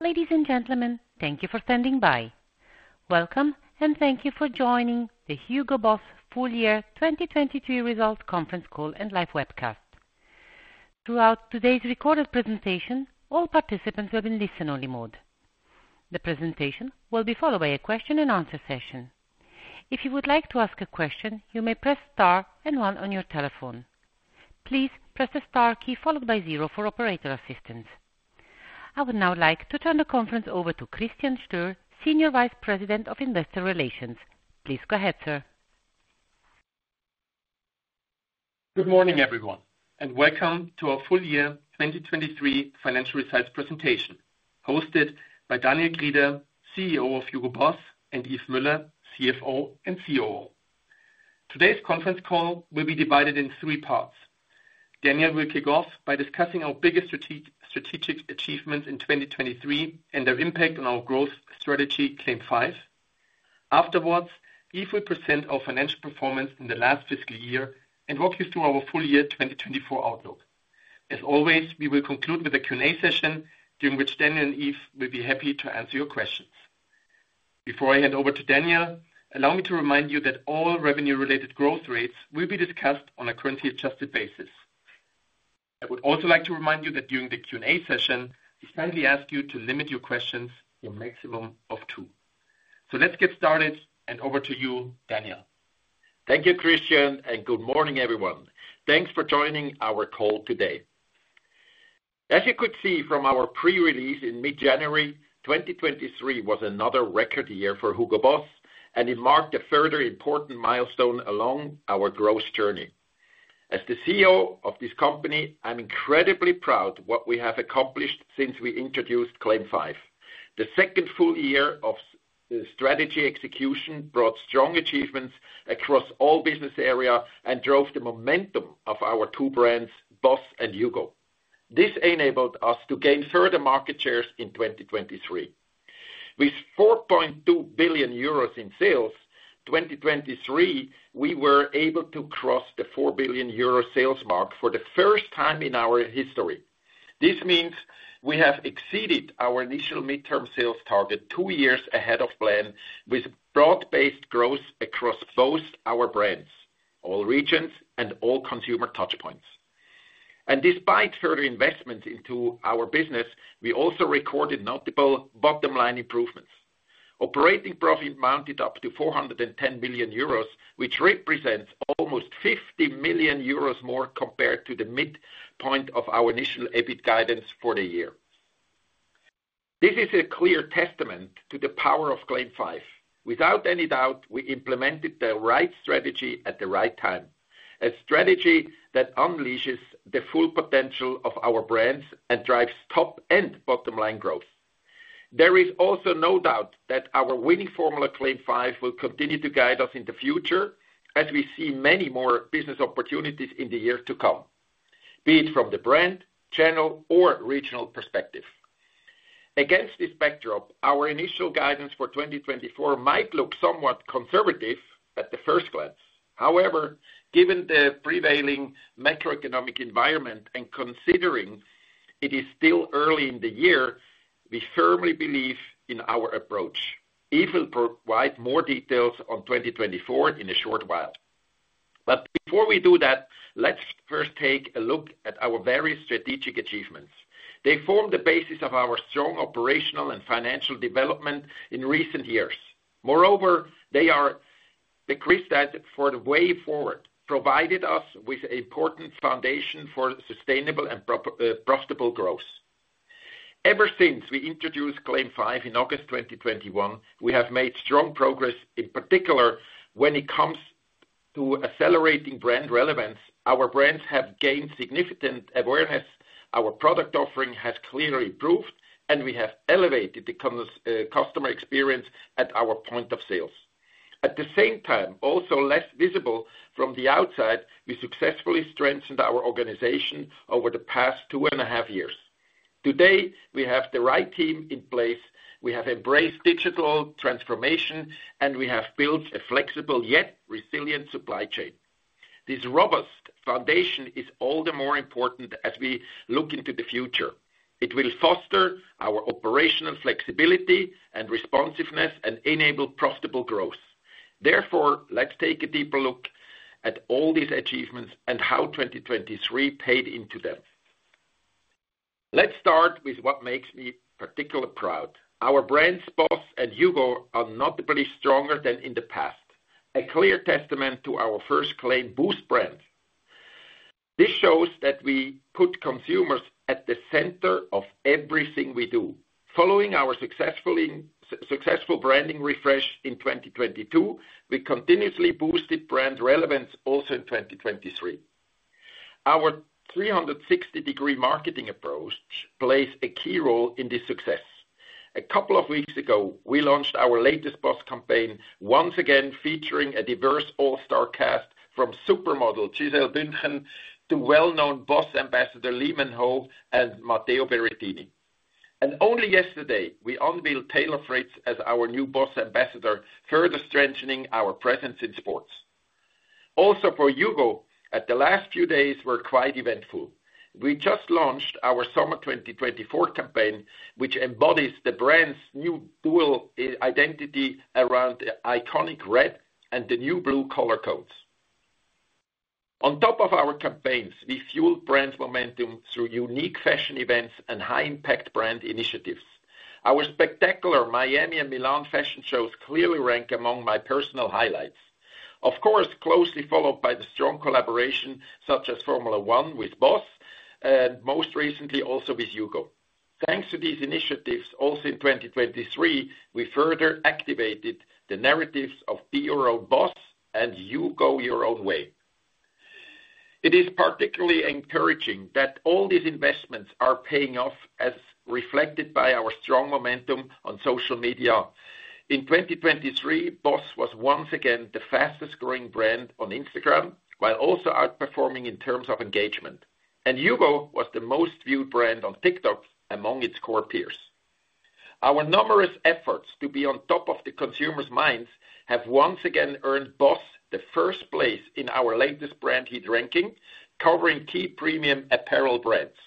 Ladies and gentlemen, thank you for standing by. Welcome, and thank you for joining the HUGO BOSS Full Year 2023 Results Conference Call and Live Webcast. Throughout today's recorded presentation, all participants will be in listen-only mode. The presentation will be followed by a question-and-answer session. If you would like to ask a question, you may press star and one on your telephone. Please press the star key followed by zero for operator assistance. I would now like to turn the conference over to Christian Stöhr, Senior Vice President of Investor Relations. Please go ahead, sir. Good morning, everyone, and welcome to our Full Year 2023 Financial Results Presentation, hosted by Daniel Grieder, CEO of HUGO BOSS, and Yves Müller, CFO and COO. Today's conference call will be divided in three parts. Daniel will kick off by discussing our biggest strategic achievements in 2023 and their impact on our Growth Strategy Claim 5. Afterwards, Yves will present our financial performance in the last fiscal year and walk you through our Full Year 2024 outlook. As always, we will conclude with a Q&A session during which Daniel and Yves will be happy to answer your questions. Before I hand over to Daniel, allow me to remind you that all revenue-related growth rates will be discussed on a currency-adjusted basis. I would also like to remind you that during the Q&A session, we kindly ask you to limit your questions to a maximum of two. Let's get started, and over to you, Daniel. Thank you, Christian, and good morning, everyone. Thanks for joining our call today. As you could see from our pre-release in mid-January, 2023 was another record year for HUGO BOSS, and it marked a further important milestone along our growth journey. As the CEO of this company, I'm incredibly proud of what we have accomplished since we introduced Claim 5. The second full year of strategy execution brought strong achievements across all business areas and drove the momentum of our two brands, BOSS and HUGO. This enabled us to gain further market shares in 2023. With 4.2 billion euros in sales, 2023, we were able to cross the 4 billion euro sales mark for the first time in our history. This means we have exceeded our initial midterm sales target two years ahead of plan with broad-based growth across both our brands, all regions, and all consumer touchpoints. Despite further investments into our business, we also recorded notable bottom-line improvements. Operating profit mounted up to 410 million euros, which represents almost 50 million euros more compared to the midpoint of our initial EBIT guidance for the year. This is a clear testament to the power of Claim 5. Without any doubt, we implemented the right strategy at the right time, a strategy that unleashes the full potential of our brands and drives top- and bottom-line growth. There is also no doubt that our winning formula, Claim 5, will continue to guide us in the future as we see many more business opportunities in the years to come, be it from the brand, channel, or regional perspective. Against this backdrop, our initial guidance for 2024 might look somewhat conservative at the first glance. However, given the prevailing macroeconomic environment and considering it is still early in the year, we firmly believe in our approach. Yves will provide more details on 2024 in a short while. But before we do that, let's first take a look at our various strategic achievements. They form the basis of our strong operational and financial development in recent years. Moreover, they are the crystallizing for the way forward, providing us with an important foundation for sustainable and profitable growth. Ever since we introduced Claim 5 in August 2021, we have made strong progress, in particular when it comes to accelerating brand relevance. Our brands have gained significant awareness. Our product offering has clearly improved, and we have elevated the customer experience at our point of sales. At the same time, also less visible from the outside, we successfully strengthened our organization over the past two and a half years. Today, we have the right team in place. We have embraced digital transformation, and we have built a flexible yet resilient supply chain. This robust foundation is all the more important as we look into the future. It will foster our operational flexibility and responsiveness and enable profitable growth. Therefore, let's take a deeper look at all these achievements and how 2023 played into them. Let's start with what makes me particularly proud. Our brands, BOSS and HUGO, are notably stronger than in the past, a clear testament to our first claim, Boost Brand. This shows that we put consumers at the center of everything we do. Following our successful branding refresh in 2022, we continuously boosted brand relevance also in 2023. Our 360-degree marketing approach plays a key role in this success. A couple of weeks ago, we launched our latest BOSS campaign, once again featuring a diverse all-star cast from supermodel Gisele Bündchen to well-known BOSS ambassador Lee Min-ho and Matteo Berrettini. And only yesterday, we unveiled Taylor Fritz as our new BOSS ambassador, further strengthening our presence in sports. Also, for HUGO, the last few days were quite eventful. We just launched our Summer 2024 campaign, which embodies the brand's new dual identity around the iconic red and the new blue color codes. On top of our campaigns, we fueled brand momentum through unique fashion events and high-impact brand initiatives. Our spectacular Miami and Milan fashion shows clearly rank among my personal highlights, of course closely followed by the strong collaboration such as Formula One with BOSS and most recently also with HUGO. Thanks to these initiatives, also in 2023, we further activated the narratives of "Be Your Own BOSS" and "HUGO Your Own Way." It is particularly encouraging that all these investments are paying off, as reflected by our strong momentum on social media. In 2023, BOSS was once again the fastest-growing brand on Instagram while also outperforming in terms of engagement, and HUGO was the most-viewed brand on TikTok among its core peers. Our numerous efforts to be on top of the consumers' minds have once again earned BOSS the first place in our latest brand heat ranking, covering key premium apparel brands.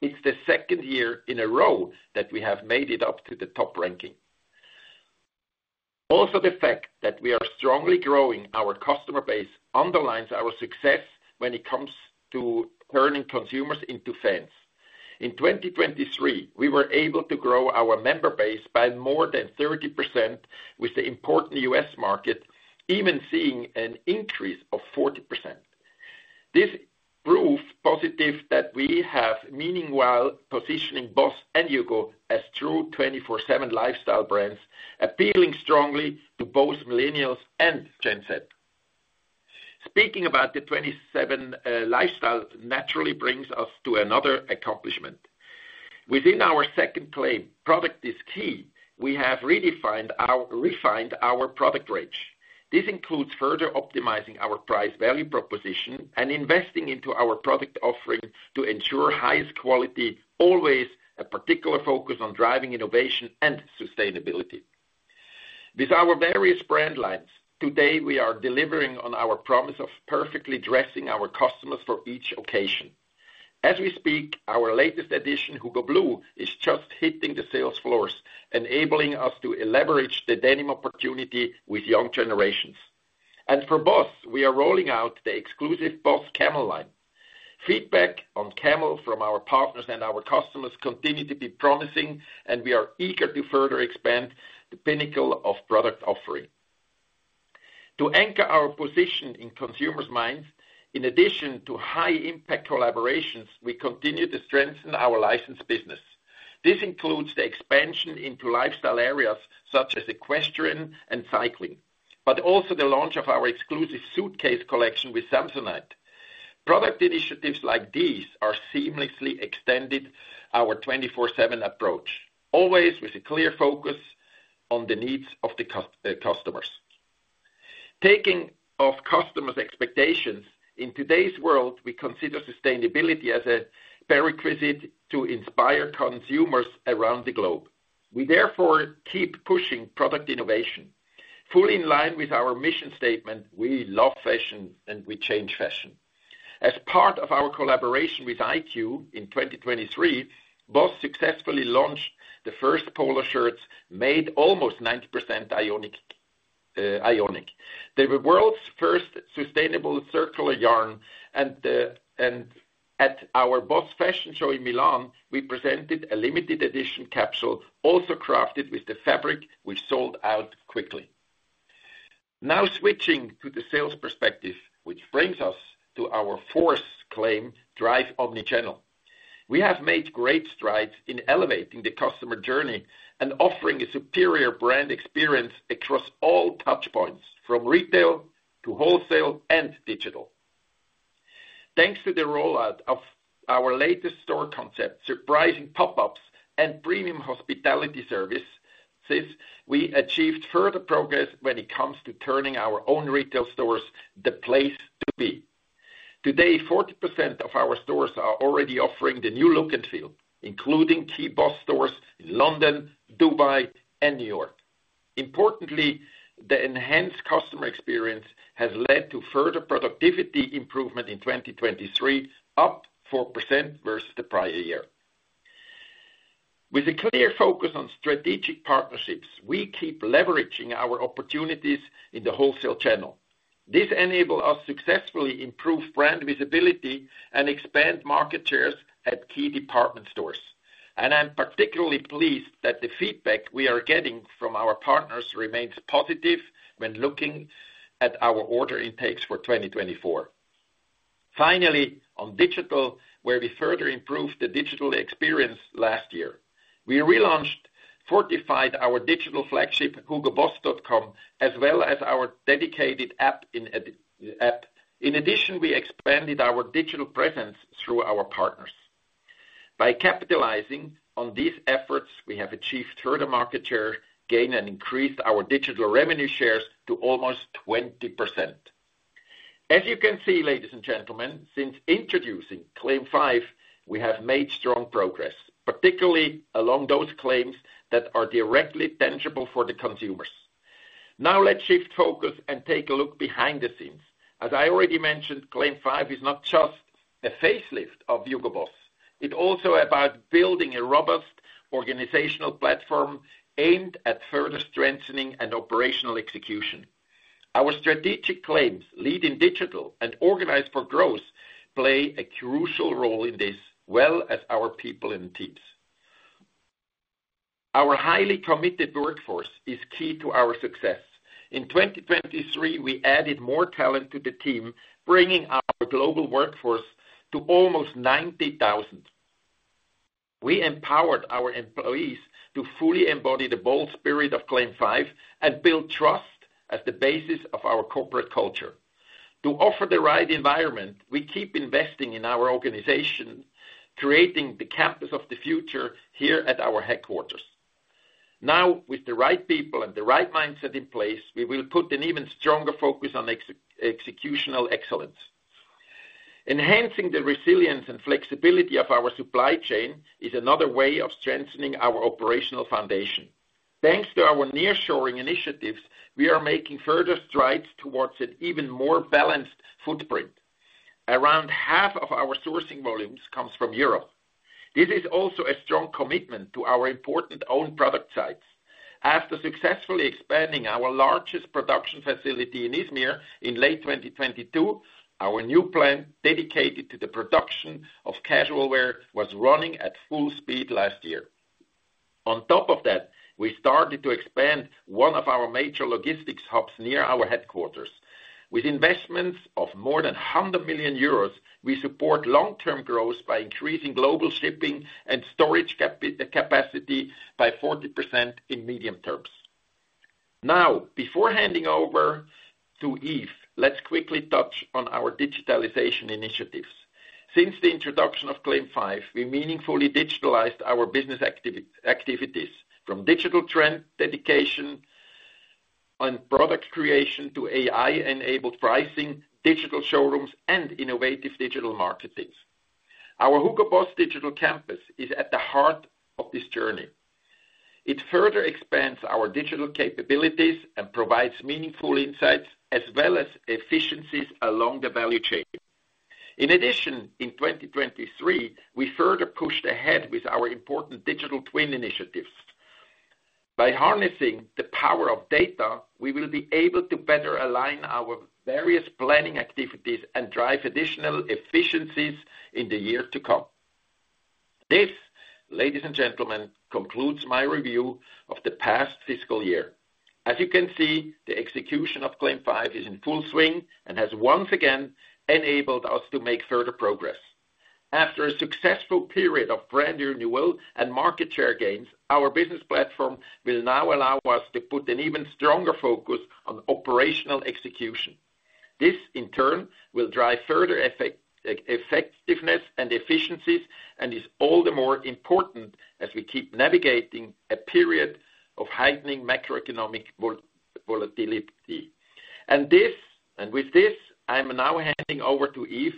It's the second year in a row that we have made it up to the top ranking. Also, the fact that we are strongly growing our customer base underlines our success when it comes to turning consumers into fans. In 2023, we were able to grow our member base by more than 30% with the important U.S. market, even seeing an increase of 40%. This proved positive that we have, meanwhile, positioned BOSS and HUGO as true 24/7 lifestyle brands, appealing strongly to both millennials and Gen Z. Speaking about the 24/7 lifestyle naturally brings us to another accomplishment. Within our second claim, "Product is Key," we have refined our product range. This includes further optimizing our price-value proposition and investing into our product offering to ensure highest quality, always a particular focus on driving innovation and sustainability. With our various brand lines, today we are delivering on our promise of perfectly dressing our customers for each occasion. As we speak, our latest edition, HUGO BLUE, is just hitting the sales floors, enabling us to leverage the denim opportunity with young generations. For BOSS, we are rolling out the exclusive BOSS Camel line. Feedback on Camel from our partners and our customers continues to be promising, and we are eager to further expand the pinnacle of product offering. To anchor our position in consumers' minds, in addition to high-impact collaborations, we continue to strengthen our licensed business. This includes the expansion into lifestyle areas such as equestrian and cycling, but also the launch of our exclusive suitcase collection with Samsonite. Product initiatives like these are seamlessly extending our 24/7 approach, always with a clear focus on the needs of the customers. Taking customers' expectations, in today's world, we consider sustainability as a prerequisite to inspire consumers around the globe. We therefore keep pushing product innovation, fully in line with our mission statement, "We love fashion, and we change fashion." As part of our collaboration with HeiQ in 2023, BOSS successfully launched the first polo shirts made almost 90% AeoniQ. They were the world's first sustainable circular yarn. And at our BOSS fashion show in Milan, we presented a limited-edition capsule, also crafted with the fabric, which sold out quickly. Now switching to the sales perspective, which brings us to our fourth claim, "Drive Omnichannel." We have made great strides in elevating the customer journey and offering a superior brand experience across all touchpoints, from retail to wholesale and digital. Thanks to the rollout of our latest store concept, surprising pop-ups, and premium hospitality services, we achieved further progress when it comes to turning our own retail stores the place to be. Today, 40% of our stores are already offering the new look and feel, including key BOSS stores in London, Dubai, and New York. Importantly, the enhanced customer experience has led to further productivity improvement in 2023, up 4% versus the prior year. With a clear focus on strategic partnerships, we keep leveraging our opportunities in the wholesale channel. This enables us to successfully improve brand visibility and expand market shares at key department stores. And I'm particularly pleased that the feedback we are getting from our partners remains positive when looking at our order intakes for 2024. Finally, on digital, where we further improved the digital experience last year, we relaunched, fortified our digital flagship, hugoboss.com, as well as our dedicated app. In addition, we expanded our digital presence through our partners. By capitalizing on these efforts, we have achieved further market share, gained, and increased our digital revenue shares to almost 20%. As you can see, ladies and gentlemen, since introducing Claim 5, we have made strong progress, particularly along those claims that are directly tangible for the consumers. Now let's shift focus and take a look behind the scenes. As I already mentioned, Claim 5 is not just a facelift of HUGO BOSS. It's also about building a robust organizational platform aimed at further strengthening and operational execution. Our strategic claims, "Lead in Digital" and "Organize for Growth," play a crucial role in this, as well as our people and teams. Our highly committed workforce is key to our success. In 2023, we added more talent to the team, bringing our global workforce to almost 90,000. We empowered our employees to fully embody the bold spirit of Claim 5 and build trust as the basis of our corporate culture. To offer the right environment, we keep investing in our organization, creating the campus of the future here at our headquarters. Now, with the right people and the right mindset in place, we will put an even stronger focus on executional excellence. Enhancing the resilience and flexibility of our supply chain is another way of strengthening our operational foundation. Thanks to our nearshoring initiatives, we are making further strides towards an even more balanced footprint. Around half of our sourcing volumes come from Europe. This is also a strong commitment to our important own product sites. After successfully expanding our largest production facility in Izmir in late 2022, our new plant dedicated to the production of casual wear was running at full speed last year. On top of that, we started to expand one of our major logistics hubs near our headquarters. With investments of more than 100 million euros, we support long-term growth by increasing global shipping and storage capacity by 40% in medium terms. Now, before handing over to Yves, let's quickly touch on our digitalization initiatives. Since the introduction of Claim 5, we meaningfully digitalized our business activities from digital trend detection and product creation to AI-enabled pricing, digital showrooms, and innovative digital marketing. Our HUGO BOSS Digital Campus is at the heart of this journey. It further expands our digital capabilities and provides meaningful insights as well as efficiencies along the value chain. In addition, in 2023, we further pushed ahead with our important digital twin initiatives. By harnessing the power of data, we will be able to better align our various planning activities and drive additional efficiencies in the years to come. This, ladies and gentlemen, concludes my review of the past fiscal year. As you can see, the execution of Claim 5 is in full swing and has once again enabled us to make further progress. After a successful period of brand renewal and market share gains, our business platform will now allow us to put an even stronger focus on operational execution. This, in turn, will drive further effectiveness and efficiencies and is all the more important as we keep navigating a period of heightening macroeconomic volatility. And with this, I'm now handing over to Yves,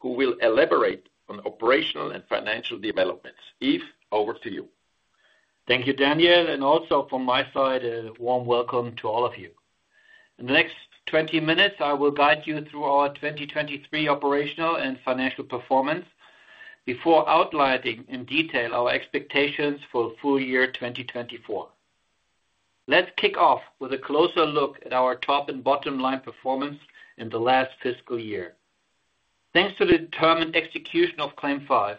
who will elaborate on operational and financial developments. Yves, over to you. Thank you, Daniel. And also from my side, a warm welcome to all of you. In the next 20 minutes, I will guide you through our 2023 operational and financial performance before outlining in detail our expectations for the full year 2024. Let's kick off with a closer look at our top and bottom line performance in the last fiscal year. Thanks to the determined execution of Claim 5,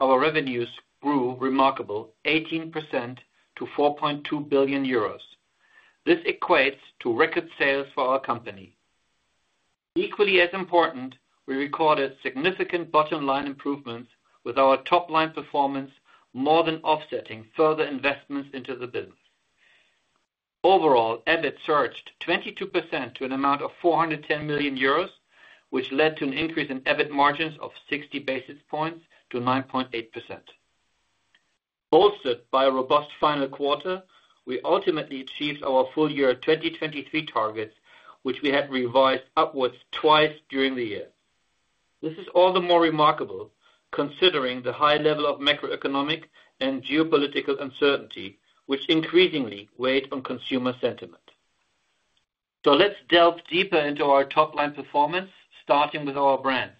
our revenues grew remarkably 18% to 4.2 billion euros. This equates to record sales for our company. Equally as important, we recorded significant bottom line improvements with our top line performance, more than offsetting further investments into the business. Overall, EBIT surged 22% to an amount of 410 million euros, which led to an increase in EBIT margins of 60 basis points to 9.8%. Bolstered by a robust final quarter, we ultimately achieved our full year 2023 targets, which we had revised upwards twice during the year. This is all the more remarkable considering the high level of macroeconomic and geopolitical uncertainty, which increasingly weighed on consumer sentiment. So let's delve deeper into our top line performance, starting with our brands.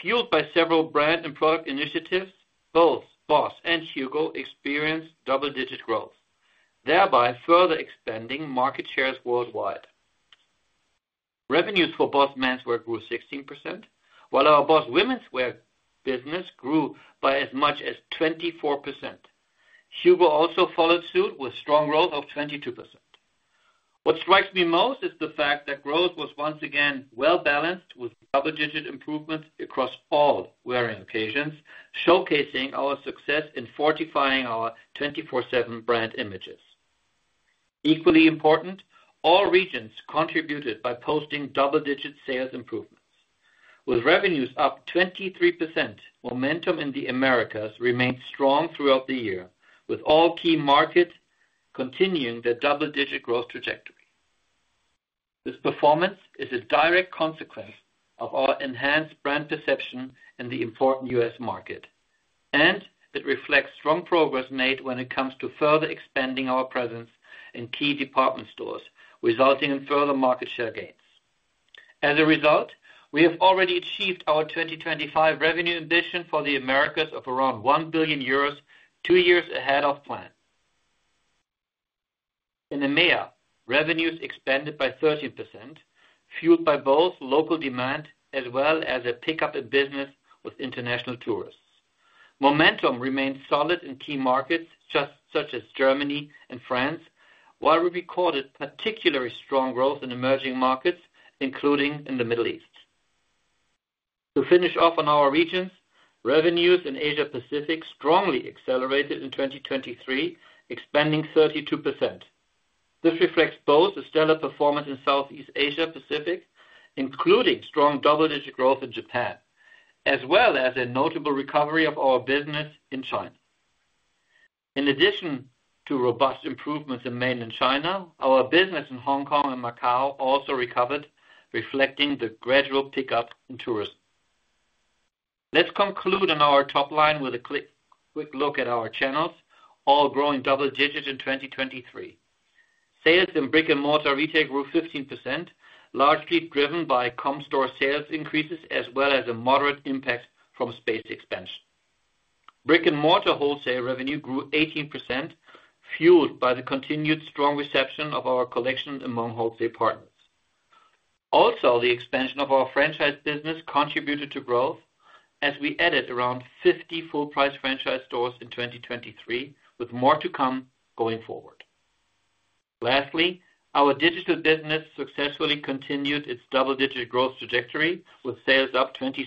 Fueled by several brand and product initiatives, both BOSS and HUGO experienced double-digit growth, thereby further expanding market shares worldwide. Revenues for BOSS Menswear grew 16%, while our BOSS Womenswear business grew by as much as 24%. HUGO also followed suit with strong growth of 22%. What strikes me most is the fact that growth was once again well-balanced with double-digit improvements across all wearing occasions, showcasing our success in fortifying our 24/7 brand images. Equally important, all regions contributed by posting double-digit sales improvements. With revenues up 23%, momentum in the Americas remained strong throughout the year, with all key markets continuing the double-digit growth trajectory. This performance is a direct consequence of our enhanced brand perception in the important US market, and it reflects strong progress made when it comes to further expanding our presence in key department stores, resulting in further market share gains. As a result, we have already achieved our 2025 revenue ambition for the Americas of around 1 billion euros, two years ahead of plan. In EMEA, revenues expanded by 13%, fueled by both local demand as well as a pickup in business with international tourists. Momentum remained solid in key markets such as Germany and France, while we recorded particularly strong growth in emerging markets, including in the Middle East. To finish off on our regions, revenues in Asia-Pacific strongly accelerated in 2023, expanding 32%. This reflects both a stellar performance in Southeast Asia-Pacific, including strong double-digit growth in Japan, as well as a notable recovery of our business in China. In addition to robust improvements in mainland China, our business in Hong Kong and Macau also recovered, reflecting the gradual pickup in tourism. Let's conclude on our top line with a quick look at our channels, all growing double-digit in 2023. Sales in brick-and-mortar retail grew 15%, largely driven by comp store sales increases as well as a moderate impact from space expansion. Brick-and-mortar wholesale revenue grew 18%, fueled by the continued strong reception of our collection among wholesale partners. Also, the expansion of our franchise business contributed to growth, as we added around 50 full-price franchise stores in 2023, with more to come going forward. Lastly, our digital business successfully continued its double-digit growth trajectory with sales up 26%.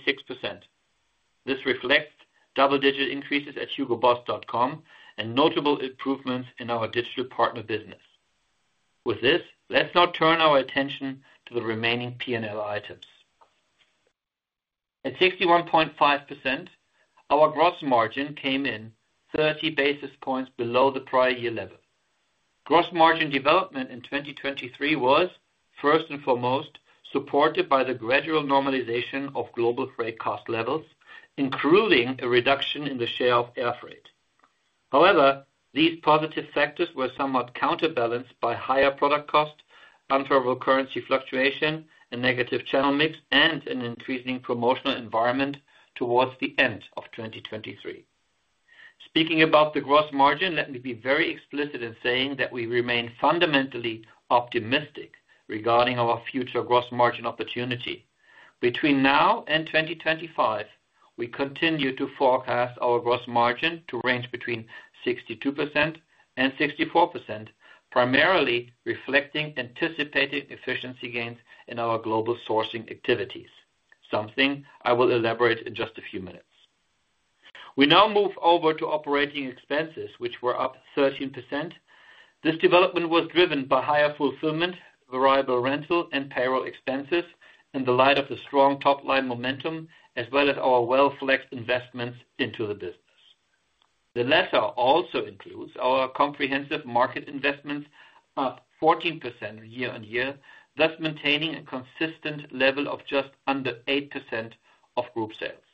This reflects double-digit increases at hugoboss.com and notable improvements in our digital partner business. With this, let's now turn our attention to the remaining P&L items. At 61.5%, our gross margin came in 30 basis points below the prior year level. Gross margin development in 2023 was, first and foremost, supported by the gradual normalization of global freight cost levels, including a reduction in the share of air freight. However, these positive factors were somewhat counterbalanced by higher product cost, unfavorable currency fluctuation, a negative channel mix, and an increasing promotional environment towards the end of 2023. Speaking about the gross margin, let me be very explicit in saying that we remain fundamentally optimistic regarding our future gross margin opportunity. Between now and 2025, we continue to forecast our gross margin to range between 62% and 64%, primarily reflecting anticipated efficiency gains in our global sourcing activities, something I will elaborate in just a few minutes. We now move over to operating expenses, which were up 13%. This development was driven by higher fulfillment, variable rental, and payroll expenses in the light of the strong top line momentum, as well as our well-flexed investments into the business. The latter also includes our comprehensive market investments up 14% year-over-year, thus maintaining a consistent level of just under 8% of group sales.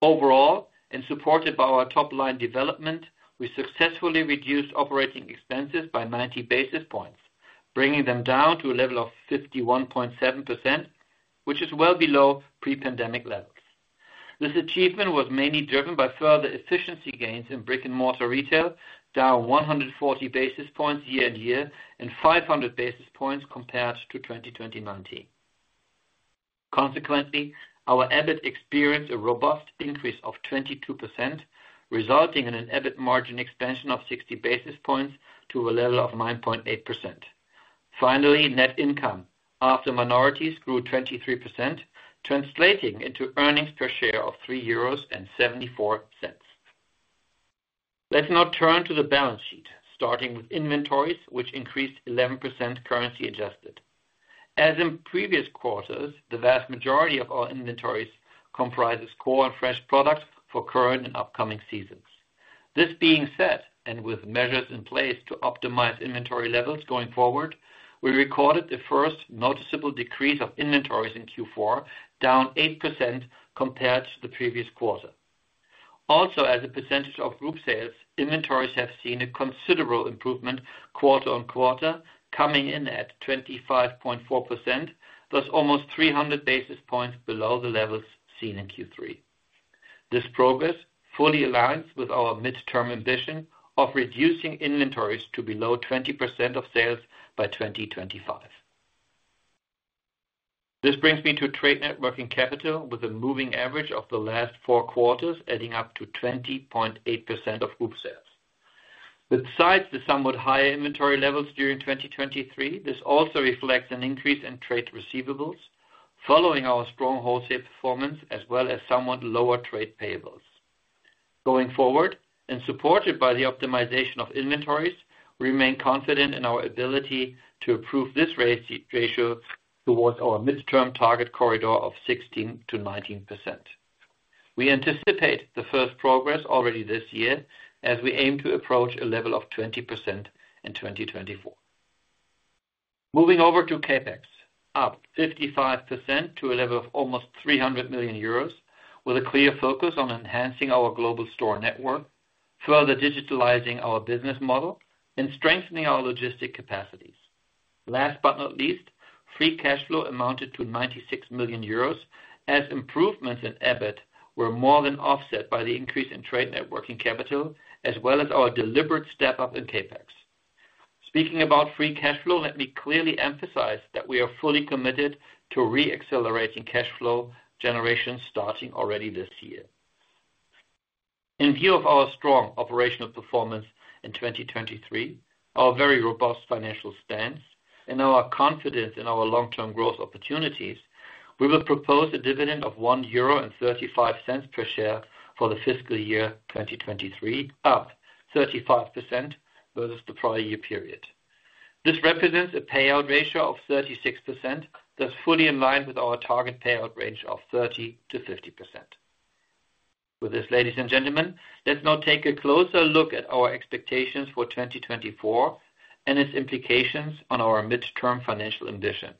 Overall, and supported by our top line development, we successfully reduced operating expenses by 90 basis points, bringing them down to a level of 51.7%, which is well below pre-pandemic levels. This achievement was mainly driven by further efficiency gains in brick-and-mortar retail, down 140 basis points year-over-year and 500 basis points compared to 2019-20. Consequently, our EBIT experienced a robust increase of 22%, resulting in an EBIT margin expansion of 60 basis points to a level of 9.8%. Finally, net income, after minorities, grew 23%, translating into earnings per share of 3.74 euros. Let's now turn to the balance sheet, starting with inventories, which increased 11% currency-adjusted. As in previous quarters, the vast majority of our inventories comprises core and fresh products for current and upcoming seasons. This being said, and with measures in place to optimize inventory levels going forward, we recorded the first noticeable decrease of inventories in Q4, down 8% compared to the previous quarter. Also, as a percentage of group sales, inventories have seen a considerable improvement quarter-on-quarter, coming in at 25.4%, thus almost 300 basis points below the levels seen in Q3. This progress fully aligns with our midterm ambition of reducing inventories to below 20% of sales by 2025. This brings me to trade net working capital, with a moving average of the last four quarters adding up to 20.8% of group sales. Besides the somewhat higher inventory levels during 2023, this also reflects an increase in trade receivables, following our strong wholesale performance as well as somewhat lower trade payables. Going forward, and supported by the optimization of inventories, we remain confident in our ability to improve this ratio towards our midterm target corridor of 16%-19%. We anticipate the first progress already this year, as we aim to approach a level of 20% in 2024. Moving over to CapEx, up 55% to a level of almost 300 million euros, with a clear focus on enhancing our global store network, further digitalizing our business model, and strengthening our logistics capacities. Last but not least, free cash flow amounted to 96 million euros, as improvements in EBIT were more than offset by the increase in trade net working capital as well as our deliberate step-up in CapEx. Speaking about free cash flow, let me clearly emphasize that we are fully committed to re-accelerating cash flow generation starting already this year. In view of our strong operational performance in 2023, our very robust financial stance, and our confidence in our long-term growth opportunities, we will propose a dividend of 1.35 euro per share for the fiscal year 2023, up 35% versus the prior year period. This represents a payout ratio of 36%, thus fully in line with our target payout range of 30%-50%. With this, ladies and gentlemen, let's now take a closer look at our expectations for 2024 and its implications on our midterm financial ambition.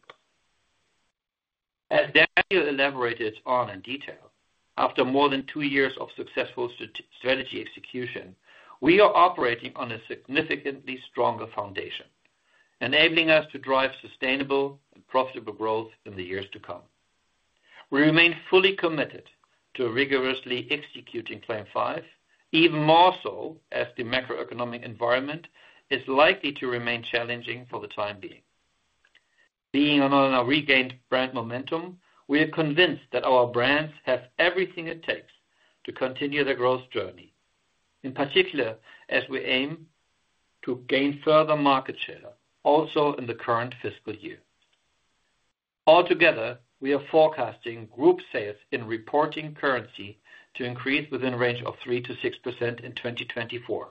As Daniel elaborated on in detail, after more than two years of successful strategy execution, we are operating on a significantly stronger foundation, enabling us to drive sustainable and profitable growth in the years to come. We remain fully committed to rigorously executing Claim 5, even more so as the macroeconomic environment is likely to remain challenging for the time being. Being on our regained brand momentum, we are convinced that our brands have everything it takes to continue their growth journey, in particular as we aim to gain further market share, also in the current fiscal year. Altogether, we are forecasting group sales in reporting currency to increase within a range of 3%-6% in 2024.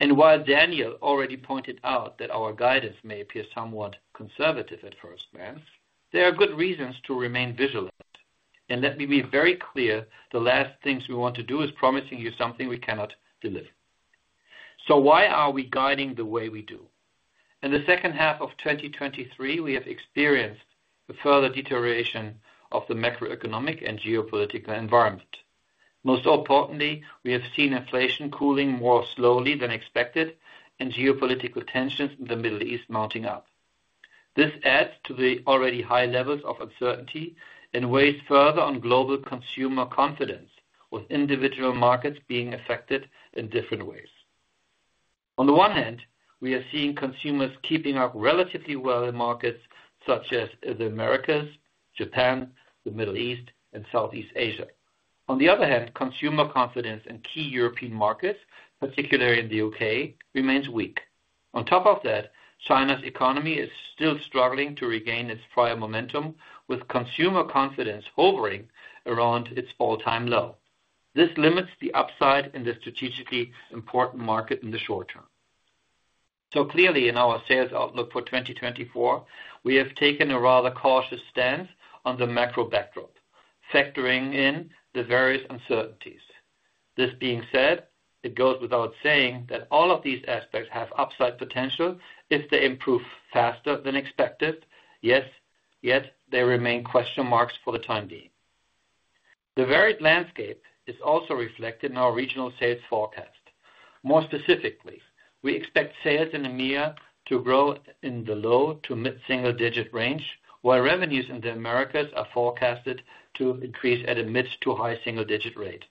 While Daniel already pointed out that our guidance may appear somewhat conservative at first glance, there are good reasons to remain vigilant. Let me be very clear, the last things we want to do is promising you something we cannot deliver. Why are we guiding the way we do? In the second half of 2023, we have experienced a further deterioration of the macroeconomic and geopolitical environment. Most importantly, we have seen inflation cooling more slowly than expected and geopolitical tensions in the Middle East mounting up. This adds to the already high levels of uncertainty and weighs further on global consumer confidence, with individual markets being affected in different ways. On the one hand, we are seeing consumers keeping up relatively well in markets such as the Americas, Japan, the Middle East, and Southeast Asia. On the other hand, consumer confidence in key European markets, particularly in the U.K., remains weak. On top of that, China's economy is still struggling to regain its prior momentum, with consumer confidence hovering around its all-time low. This limits the upside in the strategically important market in the short term. So clearly, in our sales outlook for 2024, we have taken a rather cautious stance on the macro backdrop, factoring in the various uncertainties. This being said, it goes without saying that all of these aspects have upside potential if they improve faster than expected. Yes, yet they remain question marks for the time being. The varied landscape is also reflected in our regional sales forecast. More specifically, we expect sales in EMEA to grow in the low to mid-single digit range, while revenues in the Americas are forecasted to increase at a mid to high single digit rate.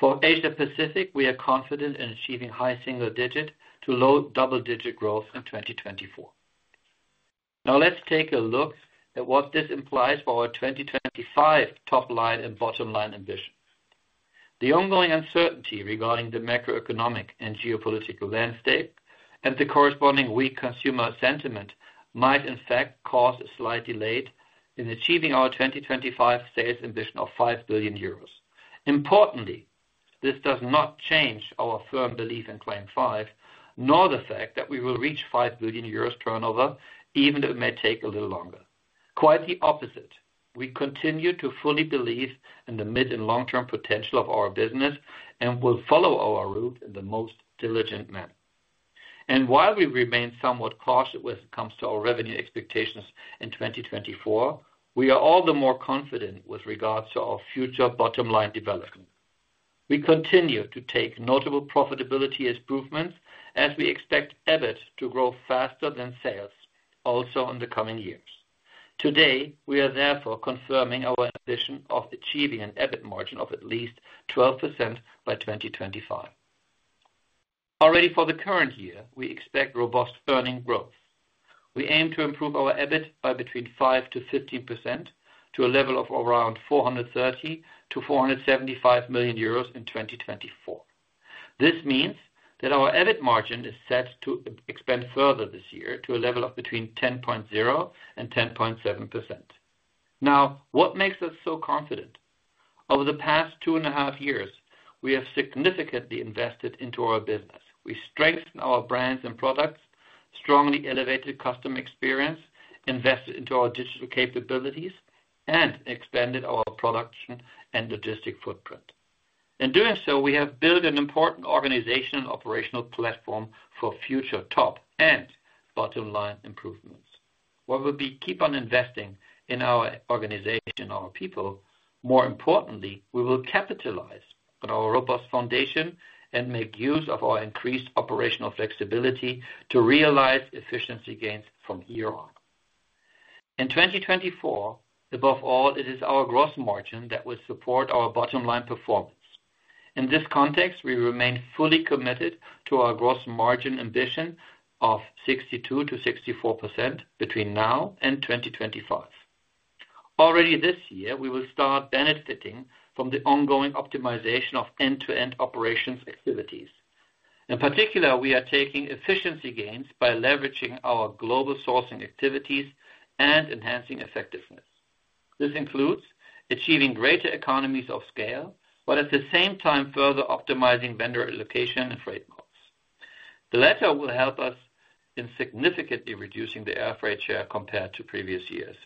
For Asia-Pacific, we are confident in achieving high single digit to low double digit growth in 2024. Now, let's take a look at what this implies for our 2025 top line and bottom line ambition. The ongoing uncertainty regarding the macroeconomic and geopolitical landscape and the corresponding weak consumer sentiment might, in fact, cause a slight delay in achieving our 2025 sales ambition of 5 billion euros. Importantly, this does not change our firm belief in Claim 5, nor the fact that we will reach 5 billion euros turnover, even if it may take a little longer. Quite the opposite, we continue to fully believe in the mid and long-term potential of our business and will follow our route in the most diligent manner. And while we remain somewhat cautious when it comes to our revenue expectations in 2024, we are all the more confident with regards to our future bottom line development. We continue to take notable profitability improvements as we expect EBIT to grow faster than sales, also in the coming years. Today, we are therefore confirming our ambition of achieving an EBIT margin of at least 12% by 2025. Already for the current year, we expect robust earning growth. We aim to improve our EBIT by between 5%-15% to a level of around 430 million-475 million euros in 2024. This means that our EBIT margin is set to expand further this year to a level of between 10.0%-10.7%. Now, what makes us so confident? Over the past two and a half years, we have significantly invested into our business. We strengthened our brands and products, strongly elevated customer experience, invested into our digital capabilities, and expanded our production and logistic footprint. In doing so, we have built an important organizational and operational platform for future top and bottom line improvements. While we keep on investing in our organization and our people, more importantly, we will capitalize on our robust foundation and make use of our increased operational flexibility to realize efficiency gains from here on. In 2024, above all, it is our gross margin that will support our bottom line performance. In this context, we remain fully committed to our gross margin ambition of 62%-64% between now and 2025. Already this year, we will start benefiting from the ongoing optimization of end-to-end operations activities. In particular, we are taking efficiency gains by leveraging our global sourcing activities and enhancing effectiveness. This includes achieving greater economies of scale, but at the same time, further optimizing vendor allocation and freight models. The latter will help us in significantly reducing the air freight share compared to previous years.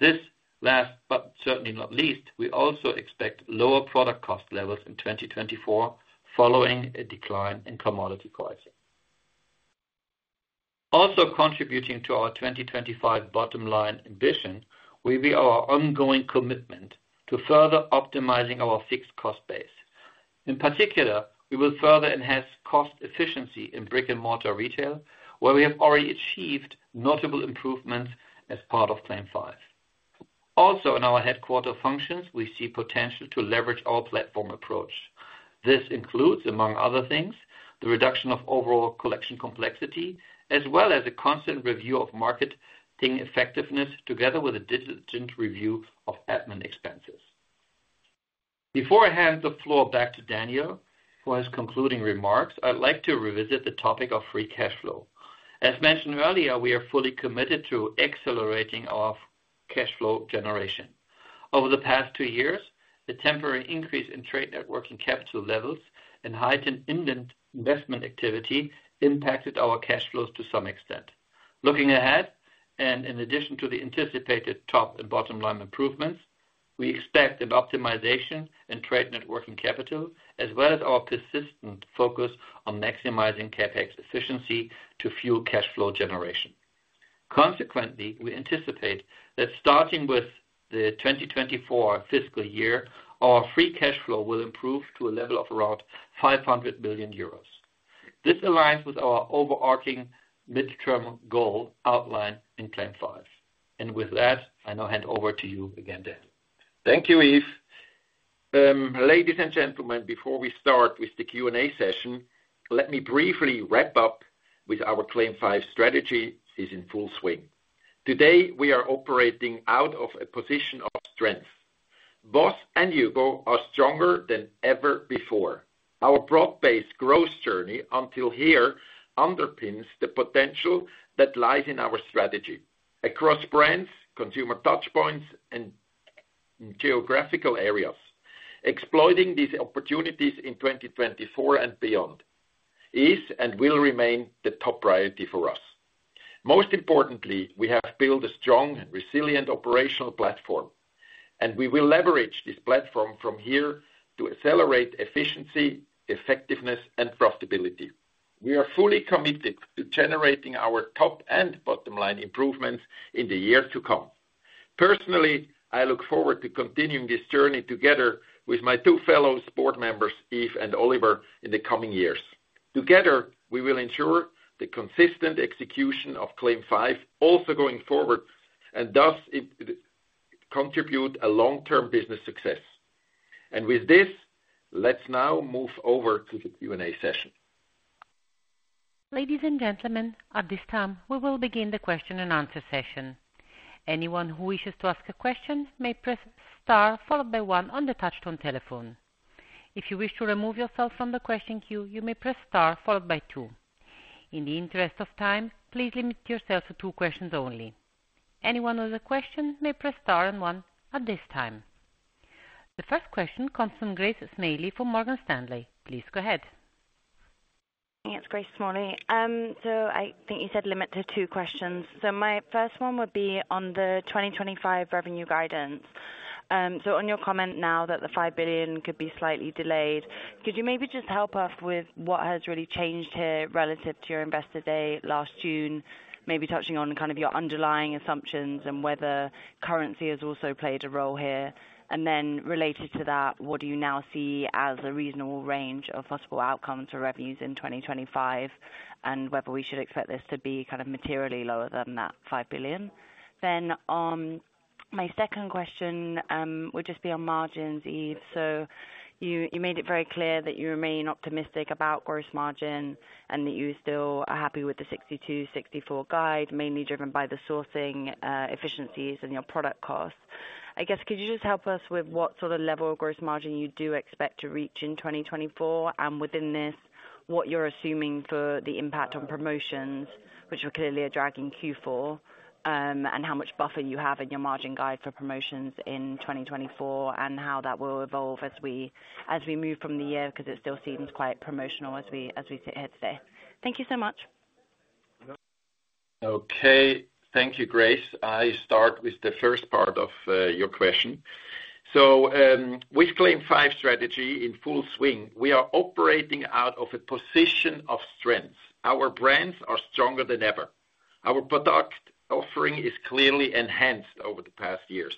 This last, but certainly not least, we also expect lower product cost levels in 2024 following a decline in commodity pricing. Also contributing to our 2025 bottom line ambition will be our ongoing commitment to further optimizing our fixed cost base. In particular, we will further enhance cost efficiency in brick-and-mortar retail, where we have already achieved notable improvements as part of Claim 5. Also, in our headquarters functions, we see potential to leverage our platform approach. This includes, among other things, the reduction of overall collection complexity, as well as a constant review of marketing effectiveness together with a diligent review of admin expenses. Before I hand the floor back to Daniel for his concluding remarks, I'd like to revisit the topic of free cash flow. As mentioned earlier, we are fully committed to accelerating our cash flow generation. Over the past two years, the temporary increase in trade net working capital levels and heightened investment activity impacted our cash flows to some extent. Looking ahead, and in addition to the anticipated top and bottom line improvements, we expect an optimization in trade net working capital, as well as our persistent focus on maximizing CapEx efficiency to fuel cash flow generation. Consequently, we anticipate that starting with the 2024 fiscal year, our free cash flow will improve to a level of around 500 million euros. This aligns with our overarching midterm goal outlined in Claim 5. And with that, I now hand over to you again, Daniel. Thank you, Yves. Ladies and gentlemen, before we start with the Q&A session, let me briefly wrap up with our Claim 5 strategy is in full swing. Today, we are operating out of a position of strength. BOSS and HUGO are stronger than ever before. Our broad-based growth journey until here underpins the potential that lies in our strategy across brands, consumer touchpoints, and geographical areas. Exploiting these opportunities in 2024 and beyond is and will remain the top priority for us. Most importantly, we have built a strong and resilient operational platform, and we will leverage this platform from here to accelerate efficiency, effectiveness, and profitability. We are fully committed to generating our top and bottom line improvements in the years to come. Personally, I look forward to continuing this journey together with my two fellow board members, Yves and Oliver, in the coming years. Together, we will ensure the consistent execution of Claim 5 also going forward and thus contribute to long-term business success. And with this, let's now move over to the Q&A session. Ladies and gentlemen, at this time, we will begin the question and answer session. Anyone who wishes to ask a question may press star followed by one on the touch-tone telephone. If you wish to remove yourself from the question queue, you may press star followed by two. In the interest of time, please limit yourself to two questions only. Anyone with a question may press star and one at this time. The first question comes from Grace Smalley from Morgan Stanley. Please go ahead. Yes, Grace Smalley. So I think you said limit to two questions. So my first one would be on the 2025 revenue guidance. So on your comment now that the 5 billion could be slightly delayed, could you maybe just help us with what has really changed here relative to your investor day last June, maybe touching on kind of your underlying assumptions and whether currency has also played a role here? Then related to that, what do you now see as a reasonable range of possible outcomes for revenues in 2025 and whether we should expect this to be kind of materially lower than that 5 billion? Then my second question would just be on margins, Yves. So you made it very clear that you remain optimistic about gross margin and that you're still happy with the 62/64 guide, mainly driven by the sourcing efficiencies and your product costs. I guess, could you just help us with what sort of level of gross margin you do expect to reach in 2024? Within this, what you're assuming for the impact on promotions, which are clearly a dragging Q4, and how much buffer you have in your margin guide for promotions in 2024 and how that will evolve as we move from the year because it still seems quite promotional as we sit here today? Thank you so much. Okay. Thank you, Grace. I start with the first part of your question. So with Claim 5 strategy in full swing, we are operating out of a position of strength. Our brands are stronger than ever. Our product offering is clearly enhanced over the past years.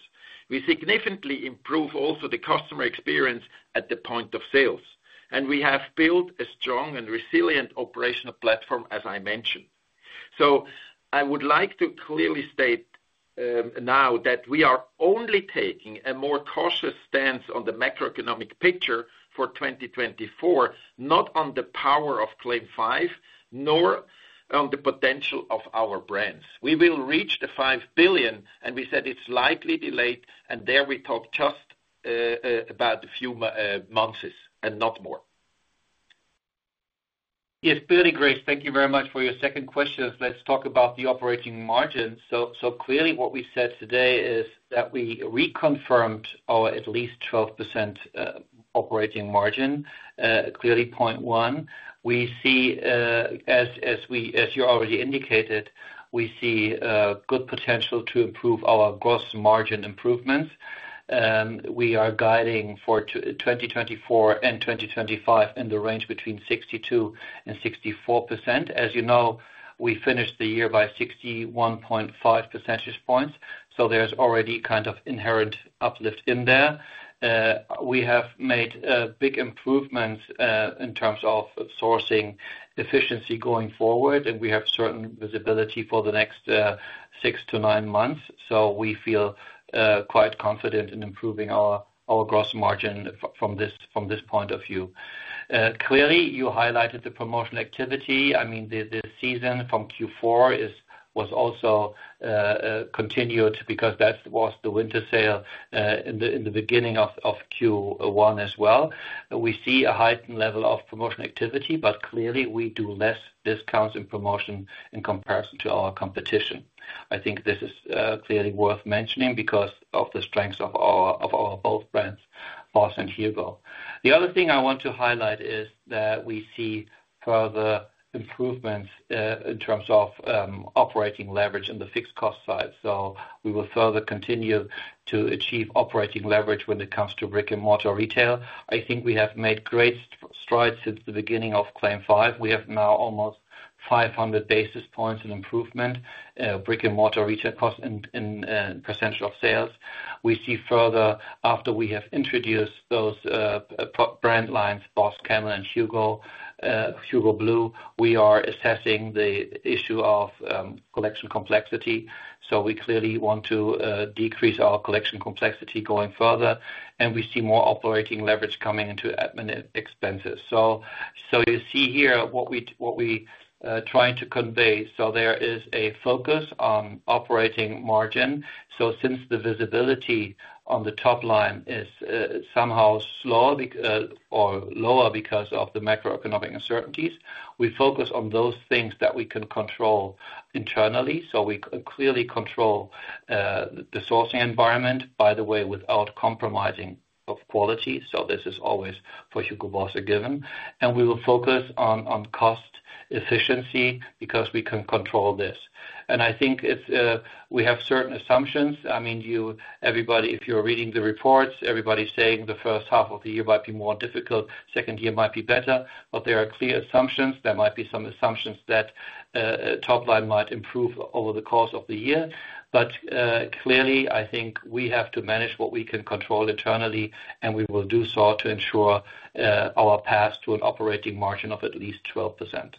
We significantly improve also the customer experience at the point of sales. And we have built a strong and resilient operational platform, as I mentioned. So I would like to clearly state now that we are only taking a more cautious stance on the macroeconomic picture for 2024, not on the power of Claim 5, nor on the potential of our brands. We will reach the 5 billion, and we said it's slightly delayed, and there we talk just about a few months and not more. Yes, clearly, Grace. Thank you very much for your second question. Let's talk about the operating margin. So clearly, what we said today is that we reconfirmed our at least 12% operating margin, clearly 0.1. As you already indicated, we see good potential to improve our gross margin improvements. We are guiding for 2024 and 2025 in the range between 62%-64%. As you know, we finished the year by 61.5 percentage points. So there's already kind of inherent uplift in there. We have made big improvements in terms of sourcing efficiency going forward, and we have certain visibility for the next six to nine months. So we feel quite confident in improving our gross margin from this point of view. Clearly, you highlighted the promotional activity. I mean, the season from Q4 was also continued because that was the winter sale in the beginning of Q1 as well. We see a heightened level of promotional activity, but clearly, we do less discounts in promotion in comparison to our competition. I think this is clearly worth mentioning because of the strengths of our both brands, BOSS and HUGO. The other thing I want to highlight is that we see further improvements in terms of operating leverage on the fixed cost side. So we will further continue to achieve operating leverage when it comes to brick-and-mortar retail. I think we have made great strides since the beginning of Claim 5. We have now almost 500 basis points in improvement, brick-and-mortar retail cost in percentage of sales. We see further, after we have introduced those brand lines, BOSS Camel, and HUGO BLUE, we are assessing the issue of collection complexity. So we clearly want to decrease our collection complexity going further, and we see more operating leverage coming into admin expenses. So you see here what we're trying to convey. So there is a focus on operating margin. So since the visibility on the top line is somehow slower or lower because of the macroeconomic uncertainties, we focus on those things that we can control internally. So we clearly control the sourcing environment, by the way, without compromising quality. So this is always for HUGO BOSS a given. We will focus on cost efficiency because we can control this. I think we have certain assumptions. I mean, everybody, if you're reading the reports, everybody's saying the first half of the year might be more difficult, second year might be better. There are clear assumptions. There might be some assumptions that top line might improve over the course of the year. Clearly, I think we have to manage what we can control internally, and we will do so to ensure our pass to an operating margin of at least 12%.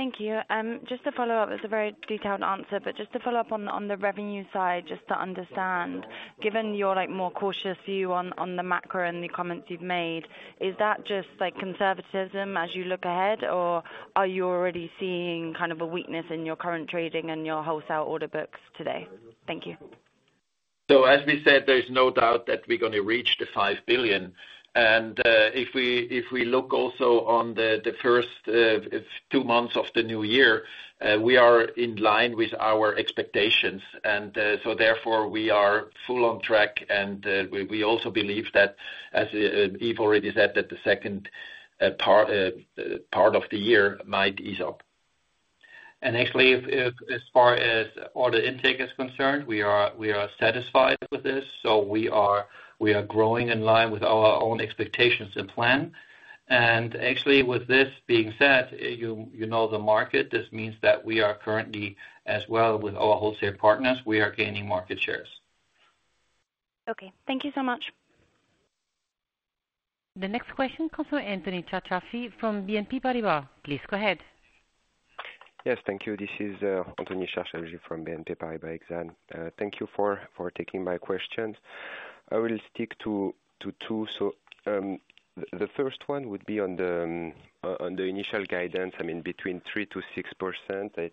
Thank you. Just to follow up, it's a very detailed answer, but just to follow up on the revenue side, just to understand, given your more cautious view on the macro and the comments you've made, is that just conservatism as you look ahead, or are you already seeing kind of a weakness in your current trading and your wholesale order books today? Thank you. So as we said, there's no doubt that we're going to reach the 5 billion. And if we look also on the first two months of the new year, we are in line with our expectations. And so therefore, we are full on track. And we also believe that, as Yves already said, that the second part of the year might ease up. And actually, as far as order intake is concerned, we are satisfied with this. So we are growing in line with our own expectations and plan. And actually, with this being said, you know the market. This means that we are currently, as well with our wholesale partners, we are gaining market shares. Okay. Thank you so much. The next question comes from Anthony Charchafji from BNP Paribas. Please go ahead. Yes, thank you. This is Anthony Charchafji from BNP Paribas. Thank you for taking my questions. I will stick to two. So the first one would be on the initial guidance, I mean, between 3%-6%.